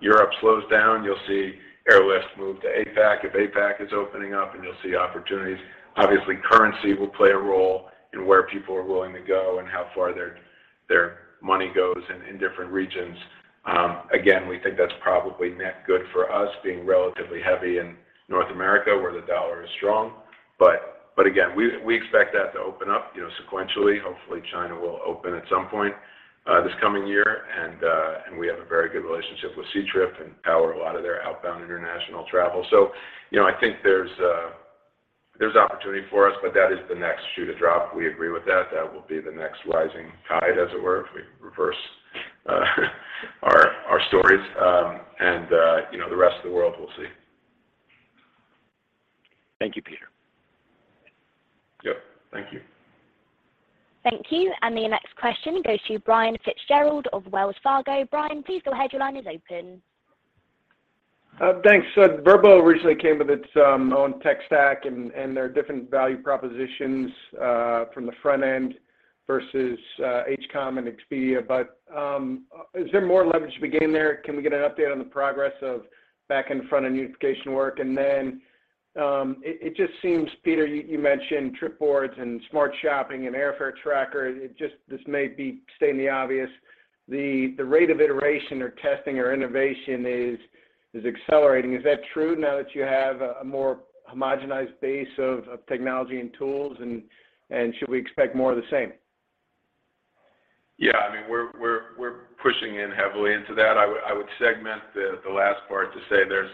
S3: Europe slows down, you'll see airlifts move to APAC. If APAC is opening up, and you'll see opportunities. Obviously, currency will play a role in where people are willing to go and how far their money goes in different regions. Again, we think that's probably net good for us being relatively heavy in North America, where the dollar is strong. Again, we expect that to open up, you know, sequentially. Hopefully, China will open at some point this coming year. We have a very good relationship with Ctrip and power a lot of their outbound international travel. You know, I think there's opportunity for us, but that is the next shoe to drop. We agree with that. That will be the next rising tide, as it were, if we reverse our stories and you know, the rest of the world, we'll see.
S11: Thank you, Peter.
S3: Yep. Thank you.
S1: Thank you. The next question goes to Brian Fitzgerald of Wells Fargo. Brian, please go ahead. Your line is open.
S12: Thanks. Vrbo recently came with its own tech stack and their different value propositions from the front end versus Hcom and Expedia. Is there more leverage to be gained there? Can we get an update on the progress of back-end front-end unification work? It just seems, Peter, you mentioned Trip Boards and Smart Shopping and Airfare Tracker. This may be stating the obvious. The rate of iteration or testing or innovation is accelerating. Is that true now that you have a more homogenized base of technology and tools? Should we expect more of the same?
S3: Yeah. I mean, we're pushing in heavily into that. I would segment the last part to say there's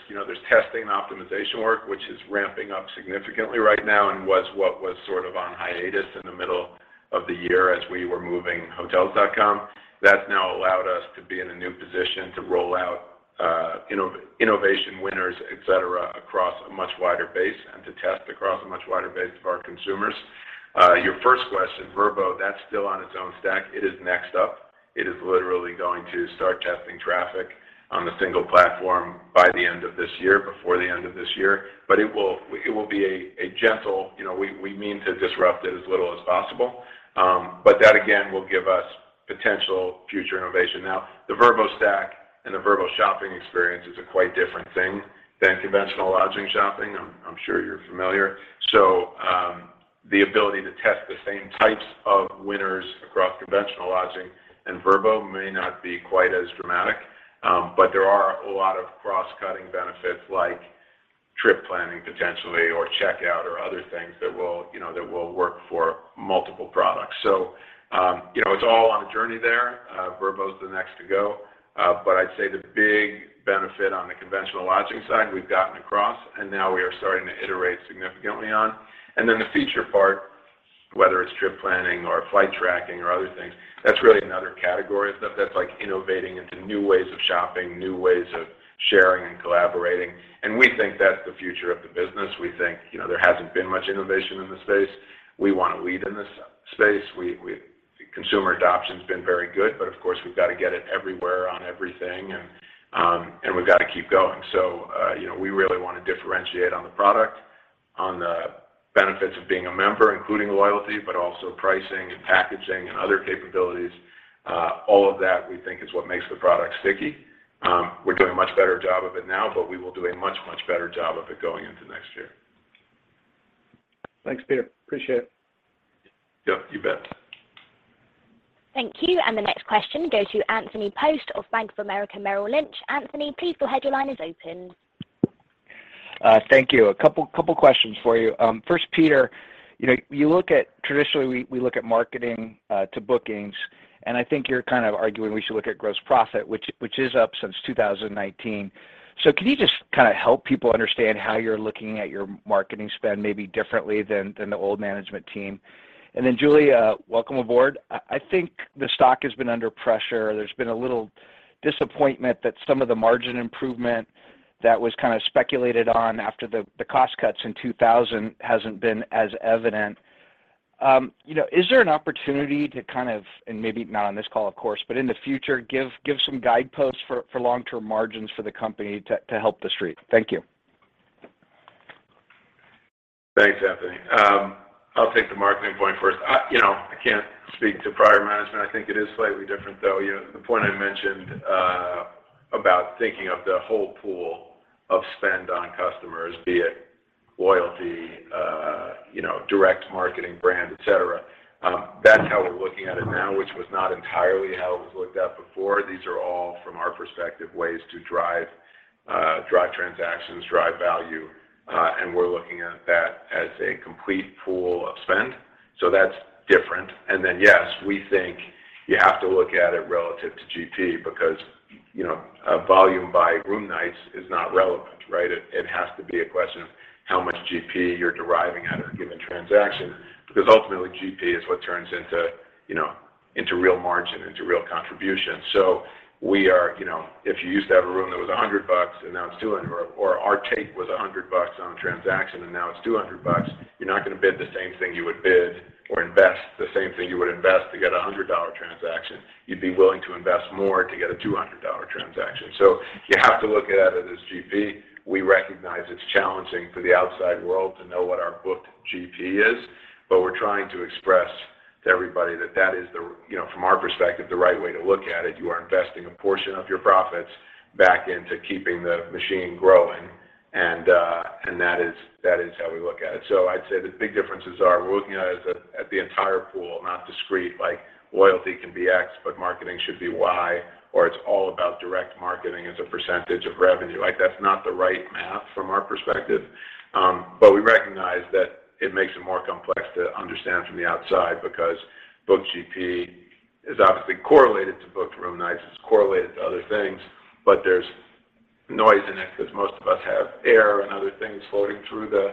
S3: testing and optimization work, which is ramping up significantly right now and was on hiatus in the middle of the year as we were moving Hotels.com. That's now allowed us to be in a new position to roll out innovation winners, et cetera, across a much wider base and to test across a much wider base of our consumers. Your first question, Vrbo, that's still on its own stack. It is next up. It is literally going to start testing traffic on the single platform by the end of this year, before the end of this year. It will be a gentle. You know, we mean to disrupt it as little as possible. That again will give us potential future innovation. Now, the Vrbo stack and the Vrbo shopping experience is a quite different thing than conventional lodging shopping. I'm sure you're familiar. The ability to test the same types of winners across conventional lodging and Vrbo may not be quite as dramatic, but there are a lot of cross-cutting benefits like trip planning potentially, or checkout or other things that will, you know, that will work for multiple products. You know, it's all on a journey there. Vrbo is the next to go. I'd say the big benefit on the conventional lodging side, we've gotten across, and now we are starting to iterate significantly on. The feature part, whether it's trip planning or flight tracking or other things, that's really another category of stuff that's like innovating into new ways of shopping, new ways of sharing and collaborating. We think that's the future of the business. We think, you know, there hasn't been much innovation in the space. We wanna lead in this space. Consumer adoption has been very good, but of course, we've got to get it everywhere on everything, and we've got to keep going. You know, we really wanna differentiate on the product, on the benefits of being a member, including loyalty, but also pricing and packaging and other capabilities. All of that we think is what makes the product sticky. We're doing a much better job of it now, but we will do a much, much better job of it going into next year.
S12: Thanks, Peter. Appreciate it.
S3: Yep, you bet.
S1: Thank you. The next question goes to Anthony Post of Bank of America Merrill Lynch. Anthony, please go ahead. Your line is open.
S13: Thank you. A couple questions for you. First, Peter, you know, traditionally we look at marketing to bookings, and I think you're kind of arguing we should look at gross profit, which is up since 2019. Can you just kinda help people understand how you're looking at your marketing spend maybe differently than the old management team? Then Julie, welcome aboard. I think the stock has been under pressure. There's been a little disappointment that some of the margin improvement that was kinda speculated on after the cost cuts in 2020 hasn't been as evident. You know, is there an opportunity to kind of, and maybe not on this call, of course, but in the future, give some guideposts for long-term margins for the company to help the street? Thank you.
S3: Thanks, Anthony. I'll take the marketing point first. You know, I can't speak to prior management. I think it is slightly different, though. You know, the point I mentioned about thinking of the whole pool of spend on customers, be it loyalty. You know, direct marketing, brand, et cetera. That's how we're looking at it now, which was not entirely how it was looked at before. These are all, from our perspective, ways to drive transactions, drive value, and we're looking at that as a complete pool of spend, so that's different. Yes, we think you have to look at it relative to GP because, you know, a volume by room nights is not relevant, right? It has to be a question of how much GP you're deriving at a given transaction because ultimately GP is what turns into, you know, into real margin, into real contribution. You know, if you used to have a room that was $100 and now it's $200, or our take was $100 on a transaction and now it's $200, you're not gonna bid the same thing you would bid or invest the same thing you would invest to get a $100 transaction. You'd be willing to invest more to get a $200 transaction. You have to look at it as GP. We recognize it's challenging for the outside world to know what our booked GP is, but we're trying to express to everybody that that is you know, from our perspective, the right way to look at it. You are investing a portion of your profits back into keeping the machine growing and that is how we look at it. I'd say the big differences are we're looking at it at the entire pool, not discrete, like loyalty can be X, but marketing should be Y, or it's all about direct marketing as a percentage of revenue. Like, that's not the right math from our perspective. We recognize that it makes it more complex to understand from the outside because booked GP is obviously correlated to booked room nights, it's correlated to other things, but there's noise in it because most of us have air and other things floating through the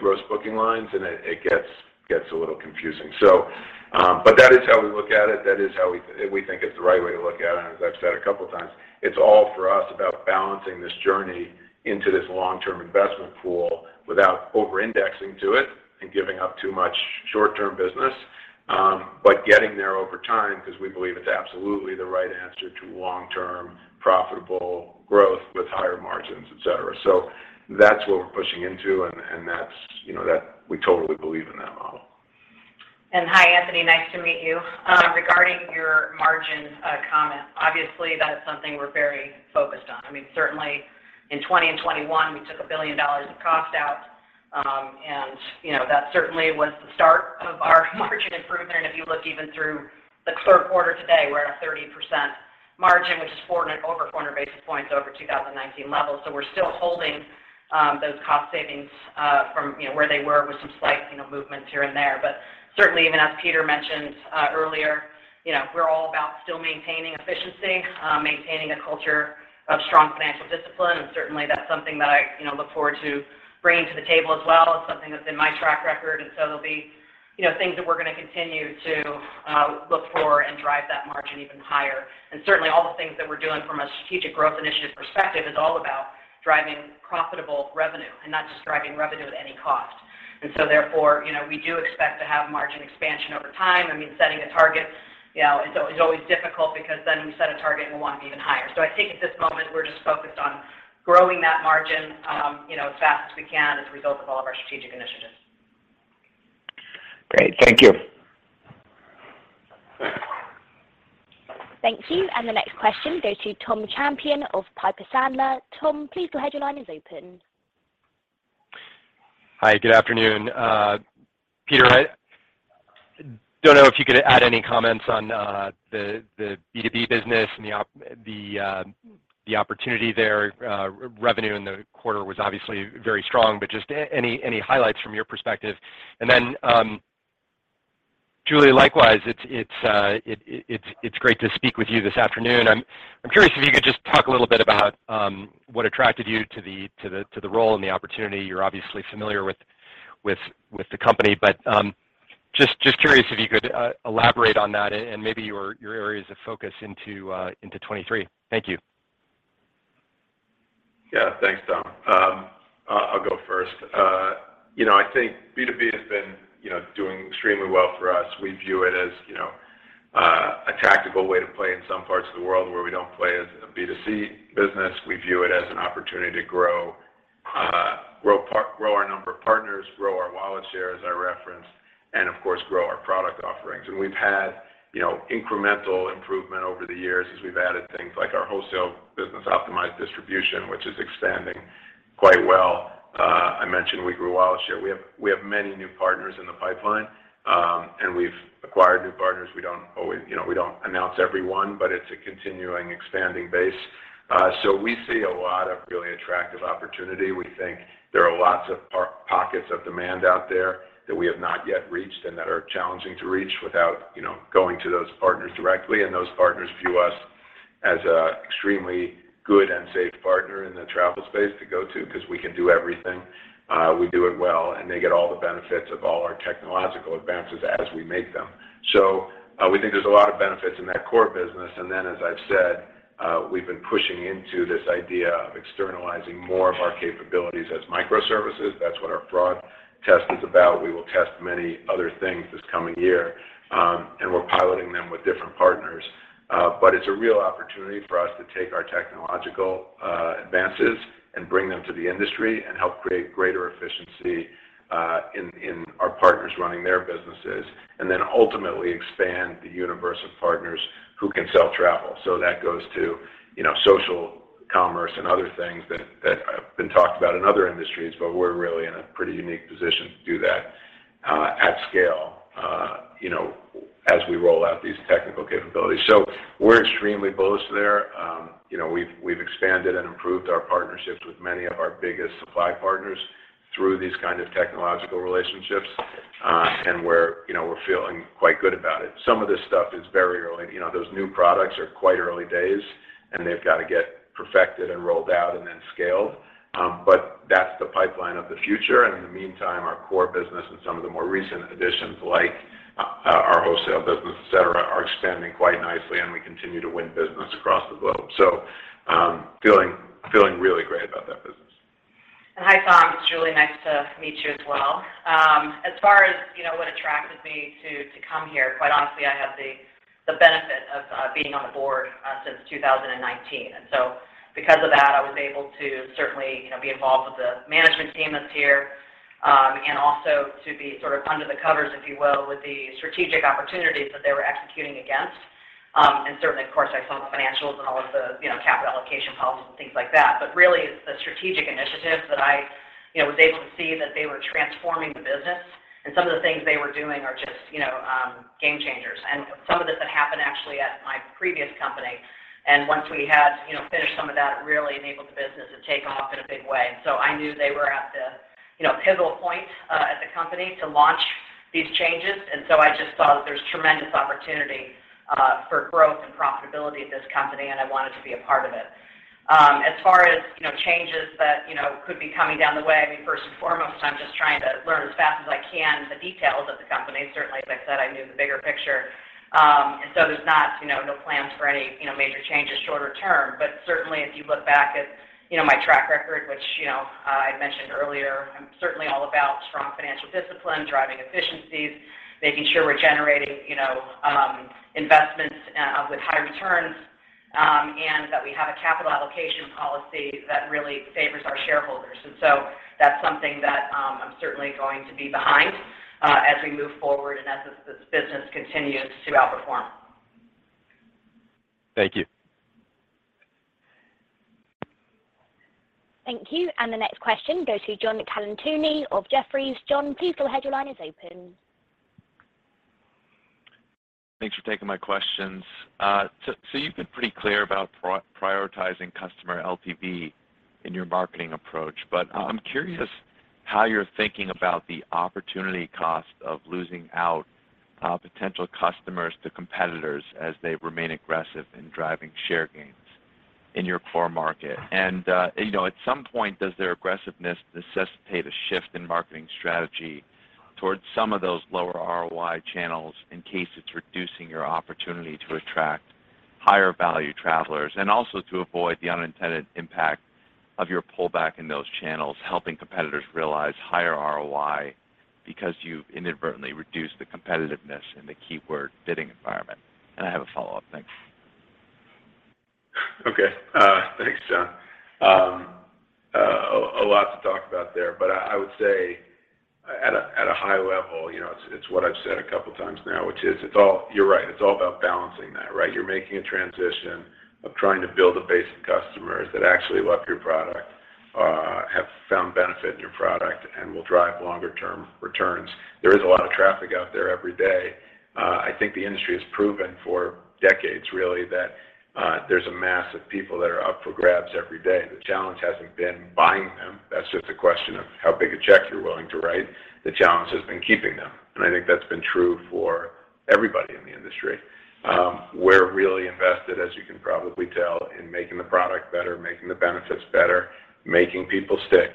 S3: gross booking lines, and it gets a little confusing. That is how we look at it. That is how we think it's the right way to look at it. As I've said a couple of times, it's all for us about balancing this journey into this long-term investment pool without over-indexing to it and giving up too much short-term business, getting there over time because we believe it's absolutely the right answer to long-term profitable growth with higher margins, et cetera. That's what we're pushing into and that's, you know, that. We totally believe in that model.
S4: Hi, Anthony, nice to meet you.
S13: Hi.
S4: Regarding your margin comment, obviously that is something we're very focused on. I mean, certainly in 2020 and 2021, we took $1 billion of cost out, and, you know, that certainly was the start of our margin improvement. If you look even through the third quarter today, we're at a 30% margin, which is over 40 basis points over 2019 levels. We're still holding those cost savings from, you know, where they were with some slight, you know, movements here and there. Certainly even as Peter mentioned earlier, you know, we're all about still maintaining efficiency, maintaining a culture of strong financial discipline, and certainly that's something that I, you know, look forward to bringing to the table as well. It's something that's in my track record, and so there'll be, you know, things that we're gonna continue to look for and drive that margin even higher. Certainly all the things that we're doing from a strategic growth initiative perspective is all about driving profitable revenue and not just driving revenue at any cost. Therefore, you know, we do expect to have margin expansion over time. I mean, setting a target, you know, is always difficult because then you set a target and we'll want it even higher. I think at this moment, we're just focused on growing that margin, you know, as fast as we can as a result of all of our strategic initiatives.
S13: Great. Thank you.
S1: Thank you. The next question goes to Tom Champion of Piper Sandler. Tom, please go ahead, your line is open.
S14: Hi, good afternoon. Peter, I don't know if you could add any comments on the B2B business and the opportunity there. Revenue in the quarter was obviously very strong, but just any highlights from your perspective. Julie, likewise, it's great to speak with you this afternoon. I'm curious if you could just talk a little bit about what attracted you to the role and the opportunity. You're obviously familiar with the company. Just curious if you could elaborate on that and maybe your areas of focus into 2023. Thank you.
S3: Yeah. Thanks, Tom. I'll go first. You know, I think B2B has been doing extremely well for us. We view it as a tactical way to play in some parts of the world where we don't play as a B2C business. We view it as an opportunity to grow our number of partners, grow our wallet share as I referenced, and of course, grow our product offerings. We've had incremental improvement over the years as we've added things like our wholesale business, Optimized Distribution, which is expanding quite well. I mentioned we grew wallet share. We have many new partners in the pipeline, and we've acquired new partners. We don't always announce every one, but it's a continuing expanding base. We see a lot of really attractive opportunity. We think there are lots of pockets of demand out there that we have not yet reached and that are challenging to reach without, you know, going to those partners directly. Those partners view us as a extremely good and safe partner in the travel space to go to because we can do everything. We do it well, and they get all the benefits of all our technological advances as we make them. We think there's a lot of benefits in that core business. As I've said, we've been pushing into this idea of externalizing more of our capabilities as microservices. That's what our fraud test is about. We will test many other things this coming year, and we're piloting them with different partners. It's a real opportunity for us to take our technological advances and bring them to the industry and help create greater efficiency in our partners running their businesses, and then ultimately expand the universe of partners who can sell travel. That goes to, you know, social commerce and other things that have been talked about in other industries, but we're really in a pretty unique position to do that at scale, you know, as we roll out these technical capabilities. We're extremely bullish there. You know, we've expanded and improved our partnerships with many of our biggest supply partners through these kind of technological relationships, and we're feeling quite good about it. Some of this stuff is very early. You know, those new products are quite early days, and they've got to get perfected and rolled out and then scaled. That's the pipeline of the future. In the meantime, our core business and some of the more recent additions, like, our wholesale business, et cetera, are expanding quite nicely, and we continue to win business across the globe. Feeling really great about that business.
S4: Hi, Tom. It's Julie. Nice to meet you as well. As far as, you know, what attracted me to come here, quite honestly, I had the benefit of being on the board since 2019. Because of that, I was able to certainly, you know, be involved with the management team that's here, and also to be sort of under the covers, if you will, with the strategic opportunities that they were executing against. Certainly, of course, I saw the financials and all of the, you know, capital allocation policies and things like that. Really, it's the strategic initiatives that I, you know, was able to see that they were transforming the business, and some of the things they were doing are just, you know, game changers. Some of this had happened actually at my previous company, and once we had, you know, finished some of that, it really enabled the business to take off in a big way. I knew they were at the, you know, pivotal point as a company to launch these changes. I just thought there's tremendous opportunity for growth and profitability at this company, and I wanted to be a part of it. As far as, you know, changes that, you know, could be coming down the pike, I mean, first and foremost, I'm just trying to learn as fast as I can the details of the company. Certainly, as I said, I knew the bigger picture. There's not, you know, no plans for any, you know, major changes shorter term. Certainly if you look back at, you know, my track record, which, you know, I mentioned earlier, I'm certainly all about strong financial discipline, driving efficiencies, making sure we're generating, you know, investments with high returns, and that we have a capital allocation policy that really favors our shareholders. That's something that, I'm certainly going to be behind, as we move forward and as this business continues to outperform.
S14: Thank you.
S1: Thank you. The next question goes to John Colantuoni of Jefferies. John, please go ahead. Your line is open.
S15: Thanks for taking my questions. You've been pretty clear about prioritizing customer LTV in your marketing approach. I'm curious how you're thinking about the opportunity cost of losing out potential customers to competitors as they remain aggressive in driving share gains in your core market. You know, at some point, does their aggressiveness necessitate a shift in marketing strategy towards some of those lower ROI channels in case it's reducing your opportunity to attract higher value travelers and also to avoid the unintended impact of your pullback in those channels, helping competitors realize higher ROI because you've inadvertently reduced the competitiveness in the keyword bidding environment? I have a follow-up. Thanks.
S3: Okay. Thanks, John. A lot to talk about there, but I would say at a high level, you know, it's what I've said a couple times now, which is it's all about balancing that, right? You're right. You're making a transition of trying to build a base of customers that actually love your product, have found benefit in your product and will drive longer term returns. There is a lot of traffic out there every day. I think the industry has proven for decades really that there's a mass of people that are up for grabs every day. The challenge hasn't been buying them. That's just a question of how big a check you're willing to write. The challenge has been keeping them, and I think that's been true for everybody in the industry. We're really invested, as you can probably tell, in making the product better, making the benefits better, making people stick,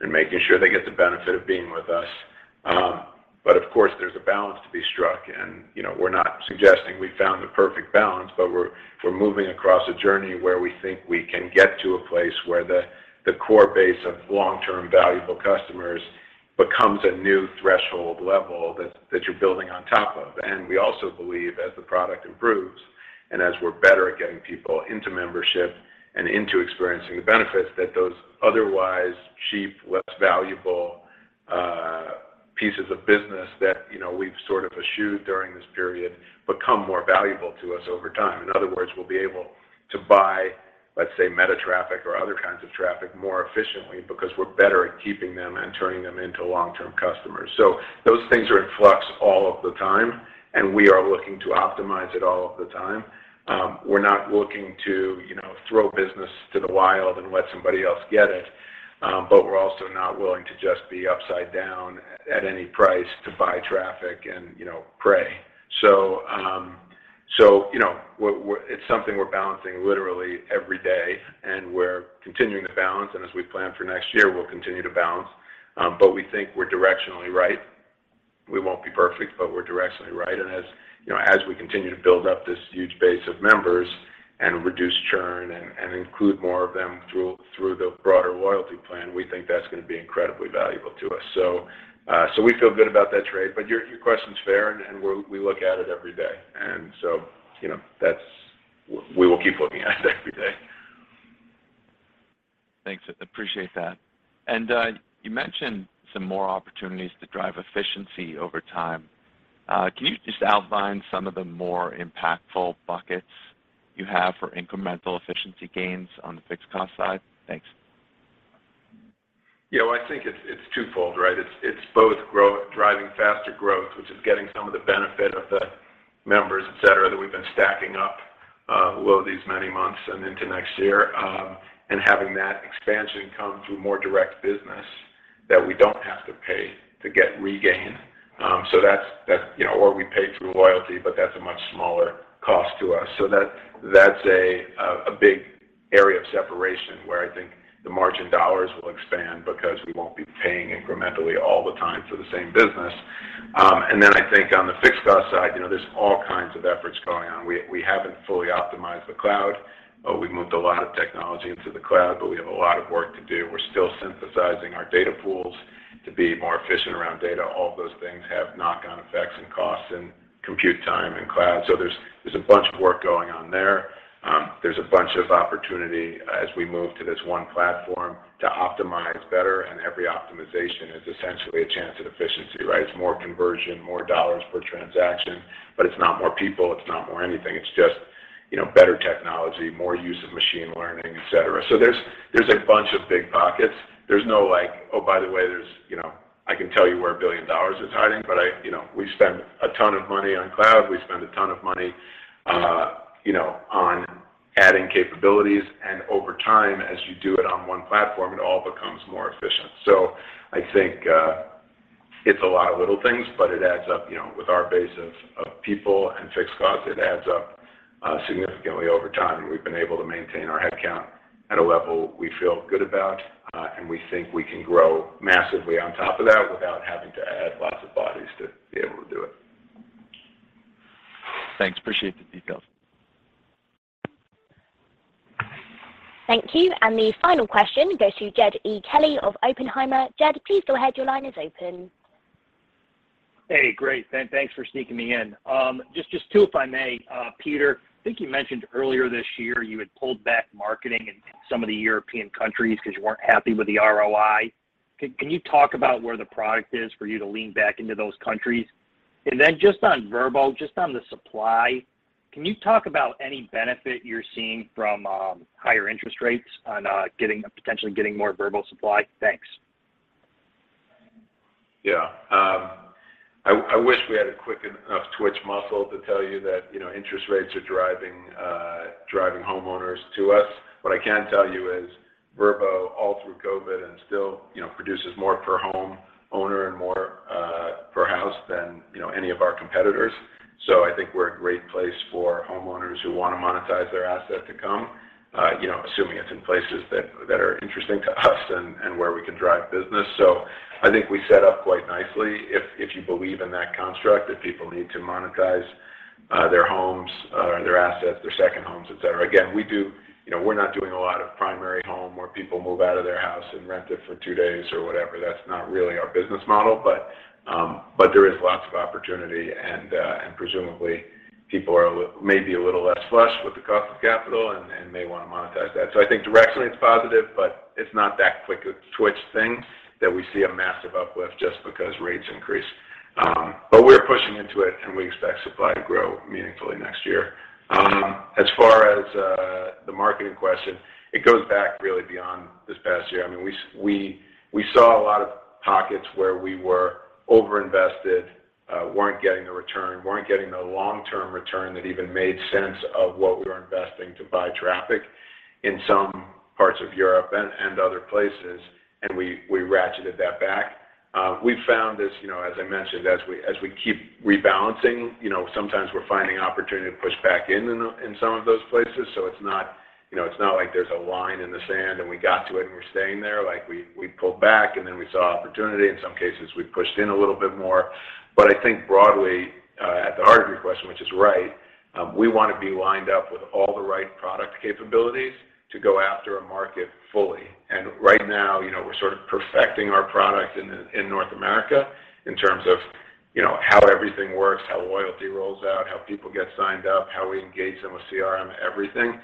S3: and making sure they get the benefit of being with us. But of course, there's a balance to be struck, and, you know, we're not suggesting we found the perfect balance, but we're moving across a journey where we think we can get to a place where the core base of long-term valuable customers becomes a new threshold level that you're building on top of. We also believe as the product improves and as we're better at getting people into membership and into experiencing the benefits, that those otherwise cheap, less valuable pieces of business that, you know, we've sort of eschewed during this period become more valuable to us over time. In other words, we'll be able to buy, let's say, Meta traffic or other kinds of traffic more efficiently because we're better at keeping them and turning them into long-term customers. Those things are in flux all of the time, and we are looking to optimize it all of the time. We're not looking to, you know, throw business to the wind and let somebody else get it. But we're also not willing to just be upside down at any price to buy traffic and, you know, pray. You know, it's something we're balancing literally every day, and we're continuing to balance. As we plan for next year, we'll continue to balance. But we think we're directionally right. We won't be perfect, but we're directionally right. As you know, as we continue to build up this huge base of members and reduce churn and include more of them through the broader loyalty plan, we think that's gonna be incredibly valuable to us. We feel good about that trade. Your question's fair, and we look at it every day. You know, we will keep looking at it every day.
S15: Thanks, appreciate that. You mentioned some more opportunities to drive efficiency over time. Can you just outline some of the more impactful buckets you have for incremental efficiency gains on the fixed cost side? Thanks.
S3: You know, I think it's twofold, right? It's both driving faster growth, which is getting some of the benefit of the members, et cetera, that we've been stacking up over these many months and into next year, and having that expansion come through more direct business that we don't have to pay to get regained. So that's, you know, or we pay through loyalty, but that's a much smaller cost to us. So that's a big area of separation where I think the margin dollars will expand because we won't be paying incrementally all the time for the same business. And then I think on the fixed cost side, you know, there's all kinds of efforts going on. We haven't fully optimized the cloud, but we've moved a lot of technology into the cloud, but we have a lot of work to do. We're still synthesizing our data pools to be more efficient around data. All of those things have knock-on effects and costs and compute time and cloud. There's a bunch of work going on there. There's a bunch of opportunity as we move to this one platform to optimize better, and every optimization is essentially a chance at efficiency, right? It's more conversion, more dollars per transaction, but it's not more people, it's not more anything. It's just, you know, better technology, more use of machine learning, et cetera. There's a bunch of big pockets. There's no like, "Oh, by the way, there's, you know, I can tell you where $1 billion is hiding," but I. You know, we spend a ton of money on cloud. We spend a ton of money, you know, on adding capabilities, and over time, as you do it on one platform, it all becomes more efficient. I think it's a lot of little things, but it adds up, you know, with our base of people and fixed costs. It adds up significantly over time, and we've been able to maintain our head count at a level we feel good about, and we think we can grow massively on top of that without having to add lots of bodies to be able to do it.
S15: Thanks. Appreciate the details.
S1: Thank you. The final question goes to Jed E. Kelly of Oppenheimer. Jed, please go ahead. Your line is open.
S16: Hey, great. Thanks for sneaking me in. Just two, if I may. Peter, I think you mentioned earlier this year you had pulled back marketing in some of the European countries because you weren't happy with the ROI. Can you talk about where the opportunity is for you to lean in to those countries? Then just on Vrbo, on the supply, can you talk about any benefit you're seeing from higher interest rates on potentially getting more Vrbo supply? Thanks.
S3: Yeah. I wish we had a quick enough twitch muscle to tell you that, you know, interest rates are driving homeowners to us. What I can tell you is Vrbo, all through COVID and still, you know, produces more per homeowner and more per house than, you know, any of our competitors. I think we're a great place for homeowners who wanna monetize their asset to come, you know, assuming it's in places that are interesting to us and where we can drive business. I think we set up quite nicely if you believe in that construct, if people need to monetize their homes or their assets, their second homes cetera. Again, we do. You know, we're not doing a lot of primary home where people move out of their house and rent it for two days or whatever. That's not really our business model. There is lots of opportunity and presumably people are maybe a little less flush with the cost of capital and may wanna monetize that. I think directly it's positive, but it's not that quick a twitch thing that we see a massive uplift just because rates increase. We're pushing into it, and we expect supply to grow meaningfully next year. As far as the marketing question, it goes back really beyond this past year. I mean, we saw a lot of pockets where we were over-invested, weren't getting a return, weren't getting the long-term return that even made sense of what we were investing to buy traffic in some parts of Europe and other places, and we ratcheted that back. We found this, you know, as I mentioned, as we keep rebalancing, you know, sometimes we're finding opportunity to push back in some of those places. It's not, you know, it's not like there's a line in the sand, and we got to it, and we're staying there. Like, we pulled back, and then we saw opportunity. In some cases, we pushed in a little bit more. I think broadly, at the heart of your question, which is right, we wanna be lined up with all the right product capabilities to go after a market fully. Right now, you know, we're sort of perfecting our product in North America in terms of, you know, how everything works, how loyalty rolls out, how people get signed up, how we engage them with CRM, everything.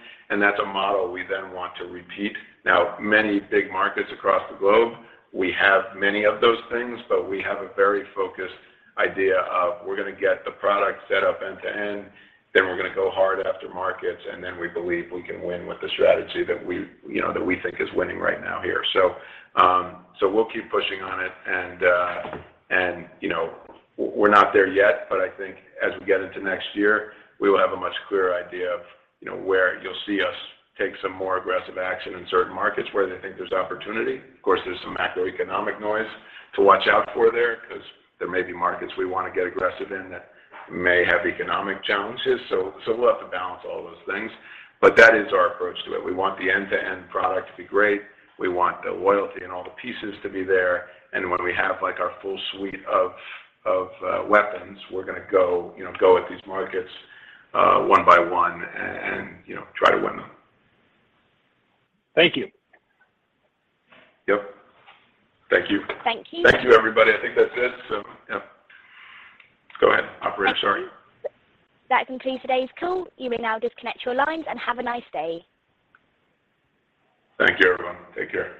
S3: That's a model we then want to repeat. Now, many big markets across the globe, we have many of those things, but we have a very focused idea of we're gonna get the product set up end to end, then we're gonna go hard after markets, and then we believe we can win with the strategy that we, you know, that we think is winning right now here. We'll keep pushing on it, and, you know, we're not there yet, but I think as we get into next year, we will have a much clearer idea of, you know, where you'll see us take some more aggressive action in certain markets where they think there's opportunity. Of course, there's some macroeconomic noise to watch out for there because there may be markets we wanna get aggressive in that may have economic challenges. We'll have to balance all those things. That is our approach to it. We want the end-to-end product to be great. We want the loyalty and all the pieces to be there. When we have, like, our full suite of, weapons, we're gonna go, you know, go at these markets, one by one and, you know, try to win them.
S16: Thank you.
S3: Yep. Thank you.
S1: Thank you.
S3: Thank you, everybody. I think that's it, so yeah. Go ahead, operator. Sorry.
S1: That concludes today's call. You may now disconnect your lines and have a nice day.
S3: Thank you, everyone. Take care.